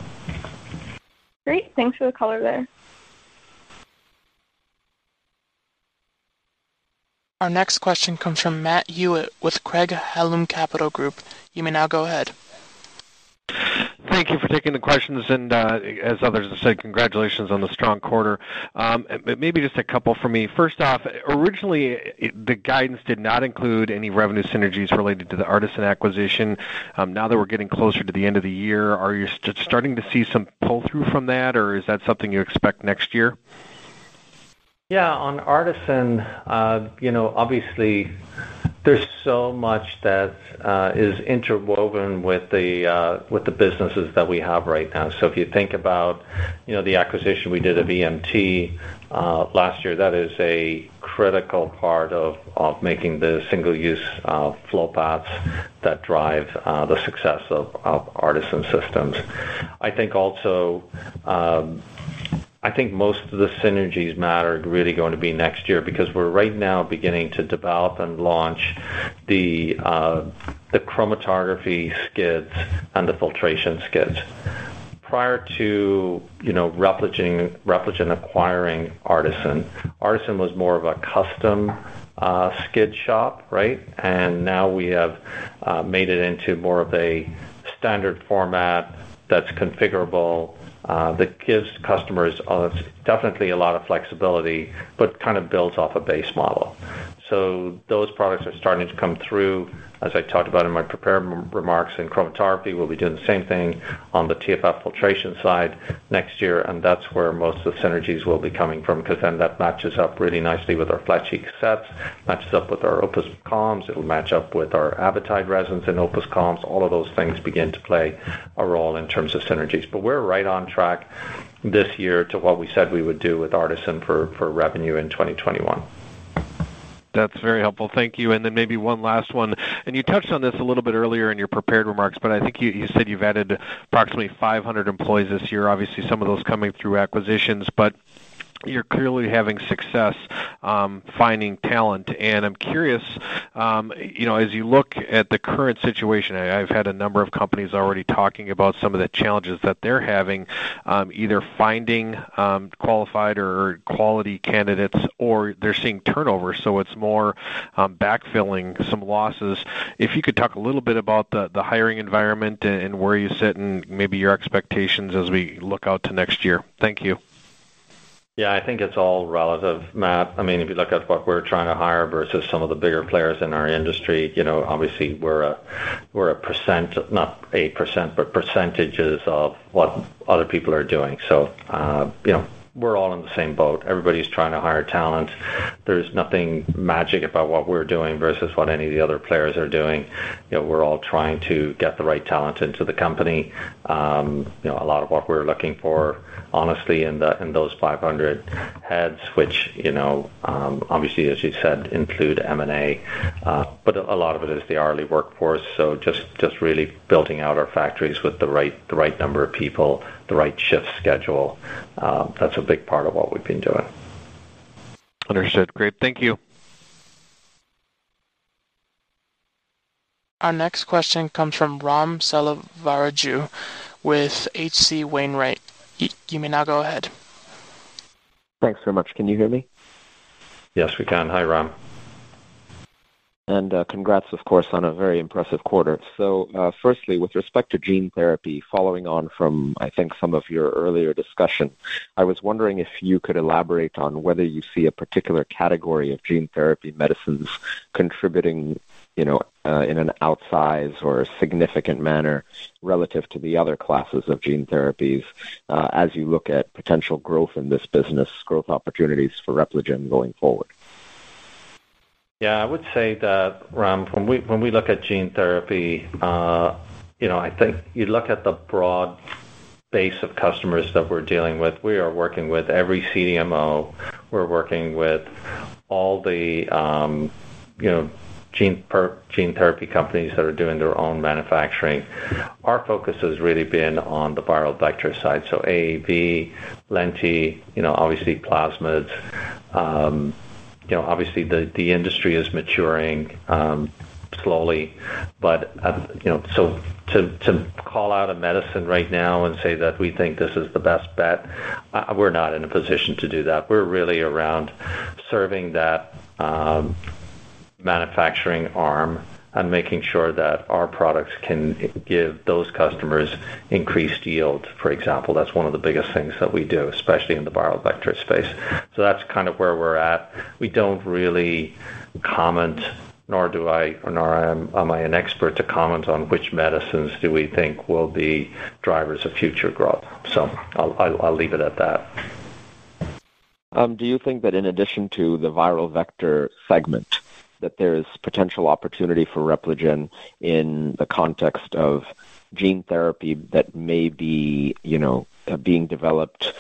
Great. Thanks for the color there. Our next question comes from Matt Hewitt with Craig-Hallum Capital Group. You may now go ahead. Thank you for taking the questions, and as others have said, congratulations on the strong quarter. Maybe just a couple from me. First off, originally, the guidance did not include any revenue synergies related to the ARTeSYN acquisition. Now that we're getting closer to the end of the year, are you starting to see some pull-through from that, or is that something you expect next year? Yeah. On ARTeSYN, you know, obviously there's so much that is interwoven with the businesses that we have right now. If you think about, you know, the acquisition we did at EMT last year, that is a critical part of making the single-use flow paths that drive the success of ARTeSYN systems. I think also, I think most of the synergies that matter are really going to be next year because we're right now beginning to develop and launch the chromatography skids and the filtration skids. Prior to, you know, Repligen acquiring ARTeSYN was more of a custom skid shop, right? Now we have made it into more of a standard format that's configurable that gives customers definitely a lot of flexibility, but kind of builds off a base model. Those products are starting to come through, as I talked about in my prepared remarks in chromatography. We'll be doing the same thing on the TFF filtration side next year, and that's where most of the synergies will be coming from, 'cause then that matches up really nicely with our flat sheet cassettes, matches up with our OPUS columns. It'll match up with our Avitide resins in OPUS columns. All of those things begin to play a role in terms of synergies. But we're right on track this year to what we said we would do with ARTeSYN for revenue in 2021. That's very helpful. Thank you. Then maybe one last one, and you touched on this a little bit earlier in your prepared remarks, but I think you said you've added approximately 500 employees this year. Obviously, some of those coming through acquisitions. You're clearly having success finding talent. I'm curious, you know, as you look at the current situation, I've had a number of companies already talking about some of the challenges that they're having either finding qualified or quality candidates or they're seeing turnover, so it's more backfilling some losses. If you could talk a little bit about the hiring environment and where you sit and maybe your expectations as we look out to next year. Thank you. Yeah. I think it's all relative, Matt. I mean, if you look at what we're trying to hire versus some of the bigger players in our industry, you know, obviously we're percentages of what other people are doing. You know, we're all in the same boat. Everybody's trying to hire talent. There's nothing magic about what we're doing versus what any of the other players are doing. You know, we're all trying to get the right talent into the company. You know, a lot of what we're looking for, honestly, in those 500 heads, which, you know, obviously, as you said, include M&A, but a lot of it is the hourly workforce. Just really building out our factories with the right number of people, the right shift schedule, that's a big part of what we've been doing. Understood. Great. Thank you. Our next question comes from Ram Selvaraju with H.C. Wainwright. You may now go ahead. Thanks so much. Can you hear me? Yes, we can. Hi, Ram. Congrats, of course, on a very impressive quarter. Firstly, with respect to gene therapy, following on from, I think, some of your earlier discussion, I was wondering if you could elaborate on whether you see a particular category of gene therapy medicines contributing, you know, in an outsize or significant manner relative to the other classes of gene therapies, as you look at potential growth in this business, growth opportunities for Repligen going forward. Yeah, I would say that, Ram, when we look at gene therapy, you know, I think you look at the broad base of customers that we're dealing with. We are working with every CDMO. We're working with all the, you know, gene therapy companies that are doing their own manufacturing. Our focus has really been on the viral vector side, so AAV, lenti, you know, obviously plasmids. The industry is maturing slowly. To call out a medicine right now and say that we think this is the best bet, we're not in a position to do that. We're really around serving that manufacturing arm and making sure that our products can give those customers increased yield, for example. That's one of the biggest things that we do, especially in the viral vector space. That's kind of where we're at. We don't really comment, nor do I, nor am I an expert to comment on which medicines do we think will be drivers of future growth. I'll leave it at that. Do you think that in addition to the viral vector segment, that there's potential opportunity for Repligen in the context of gene therapy that may be, you know, being developed,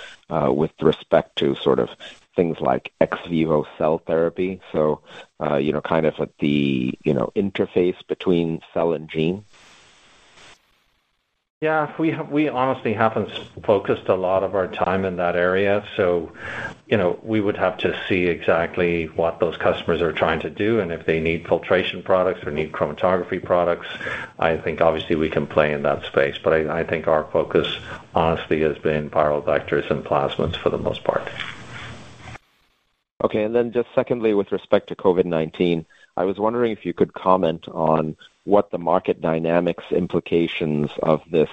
with respect to sort of things like ex vivo cell therapy? You know, kind of at the, you know, interface between cell and gene. Yeah. We honestly haven't focused a lot of our time in that area, so, you know, we would have to see exactly what those customers are trying to do and if they need filtration products or need chromatography products. I think obviously we can play in that space. I think our focus honestly has been viral vectors and plasmids for the most part. Okay. Just secondly, with respect to COVID-19, I was wondering if you could comment on what the market dynamics implications of this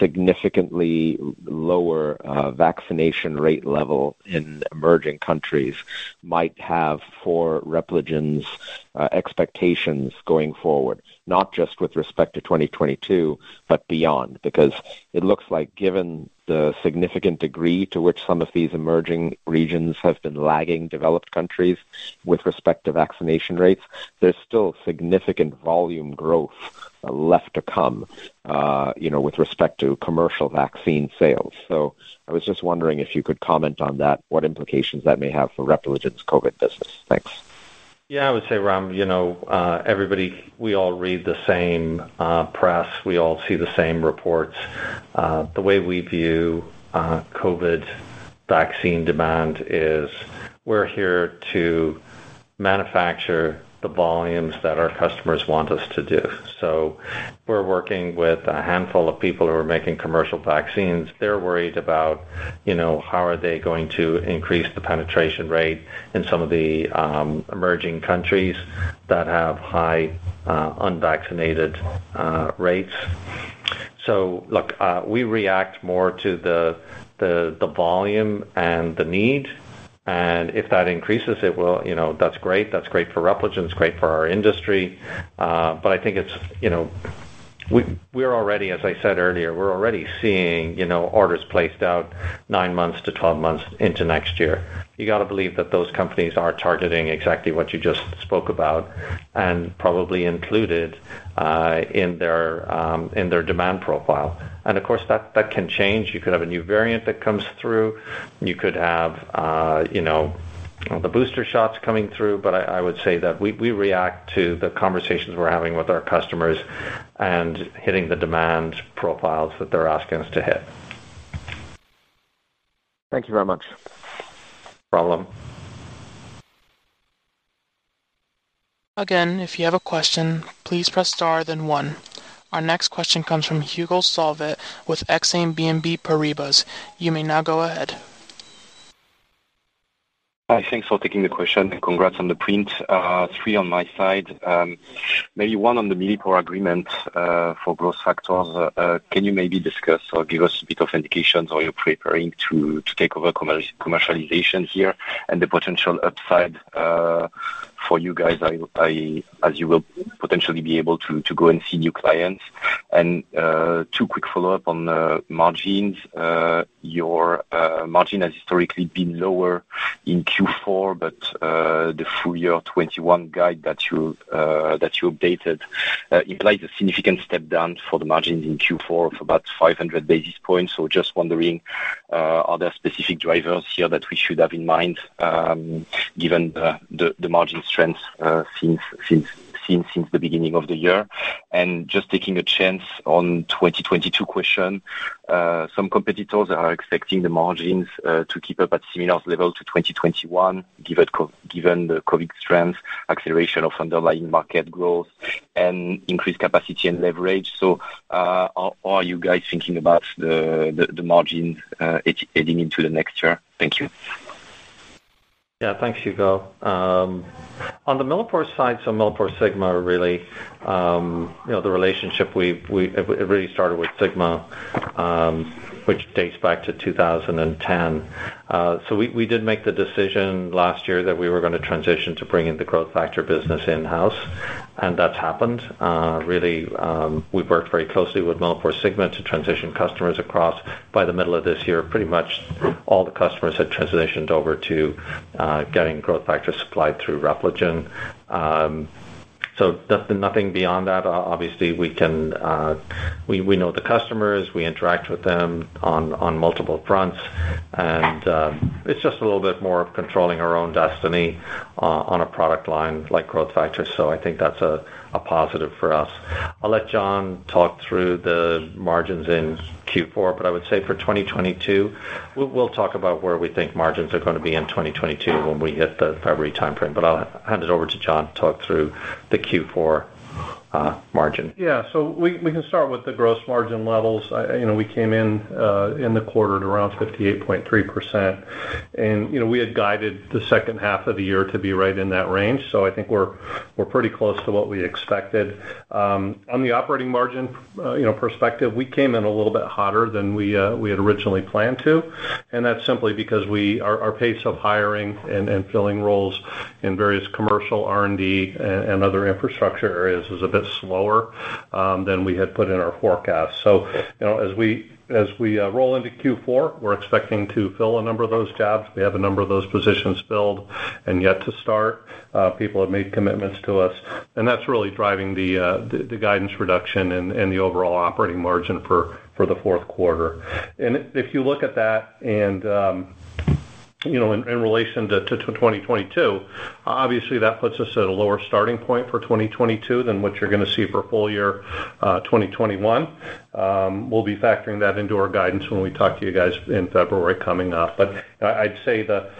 significantly lower vaccination rate level in emerging countries might have for Repligen's expectations going forward, not just with respect to 2022, but beyond. Because it looks like given the significant degree to which some of these emerging regions have been lagging developed countries with respect to vaccination rates, there's still significant volume growth left to come, you know, with respect to commercial vaccine sales. I was just wondering if you could comment on that, what implications that may have for Repligen's COVID business. Thanks. Yeah. I would say, Ram, you know, everybody, we all read the same press. We all see the same reports. The way we view COVID vaccine demand is we're here to manufacture the volumes that our customers want us to do. We're working with a handful of people who are making commercial vaccines. They're worried about, you know, how are they going to increase the penetration rate in some of the emerging countries that have high unvaccinated rates. Look, we react more to the volume and the need, and if that increases, it will, you know, that's great. That's great for Repligen. It's great for our industry. I think it's, you know, we're already, as I said earlier, seeing, you know, orders placed out nine months-12 months into next year. You gotta believe that those companies are targeting exactly what you just spoke about and probably included in their demand profile. Of course, that can change. You could have a new variant that comes through. You could have, you know, the booster shots coming through. I would say that we react to the conversations we're having with our customers and hitting the demand profiles that they're asking us to hit. Thank you very much. No problem. Again, if you have a question, please press star then one. Our next question comes from Hugo Solvet with Exane BNP Paribas. You may now go ahead. Hi. Thanks for taking the question, and congrats on the print. Three on my side. Maybe one on the Millipore agreement for growth factors. Can you maybe discuss or give us a bit of indications how you're preparing to take over commercialization here and the potential upside. For you guys, I as you will potentially be able to go and see new clients. Two quick follow-up on the margins. Your margin has historically been lower in Q4, but the full year 2021 guide that you updated implies a significant step down for the margins in Q4 of about 500 basis points. So just wondering, are there specific drivers here that we should have in mind, given the margin trends since the beginning of the year? Just taking a chance on 2022 question, some competitors are expecting the margins to keep up at similar levels to 2021 given the COVID trends, acceleration of underlying market growth and increased capacity and leverage. Are you guys thinking about the margin heading into the next year? Thank you. Yeah. Thanks, Hugo. On the Millipore side, MilliporeSigma really, you know, the relationship we've had. It really started with Sigma-Aldrich, which dates back to 2010. We did make the decision last year that we were gonna transition to bringing the growth factor business in-house, and that's happened. We've worked very closely with MilliporeSigma to transition customers across. By the middle of this year, pretty much all the customers had transitioned over to getting growth factors supplied through Repligen. Just nothing beyond that. Obviously, we know the customers, we interact with them on multiple fronts, and it's just a little bit more of controlling our own destiny on a product line like growth factors. I think that's a positive for us. I'll let Jon talk through the margins in Q4, but I would say for 2022, we'll talk about where we think margins are gonna be in 2022 when we hit the February timeframe. I'll hand it over to Jon to talk through the Q4 margin. Yeah. We can start with the gross margin levels. I you know we came in in the quarter at around 58.3%. You know we had guided the second half of the year to be right in that range. I think we're pretty close to what we expected. On the operating margin you know perspective we came in a little bit hotter than we had originally planned to. That's simply because our pace of hiring and filling roles in various commercial R&D and other infrastructure areas is a bit slower than we had put in our forecast. You know as we roll into Q4 we're expecting to fill a number of those jobs. We have a number of those positions filled and yet to start. People have made commitments to us. That's really driving the guidance reduction and the overall operating margin for the fourth quarter. If you look at that and, you know, in relation to 2022, obviously that puts us at a lower starting point for 2022 than what you're gonna see for full year 2021. We'll be factoring that into our guidance when we talk to you guys in February coming up. I'd say the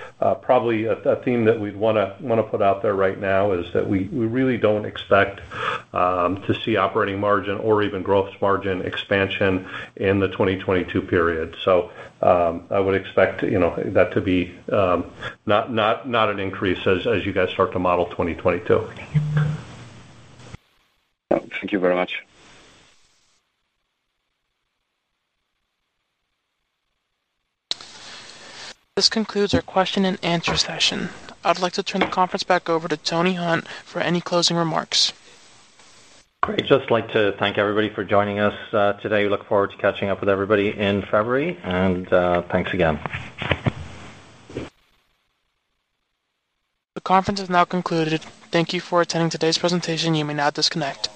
probably a theme that we'd wanna put out there right now is that we really don't expect to see operating margin or even gross margin expansion in the 2022 period. I would expect, you know, that to be not an increase as you guys start to model 2022. Thank you very much. This concludes our question and answer session. I'd like to turn the conference back over to Tony Hunt for any closing remarks. Great. Just like to thank everybody for joining us, today. Look forward to catching up with everybody in February. Thanks again. The conference has now concluded. Thank you for attending today's presentation. You may now disconnect.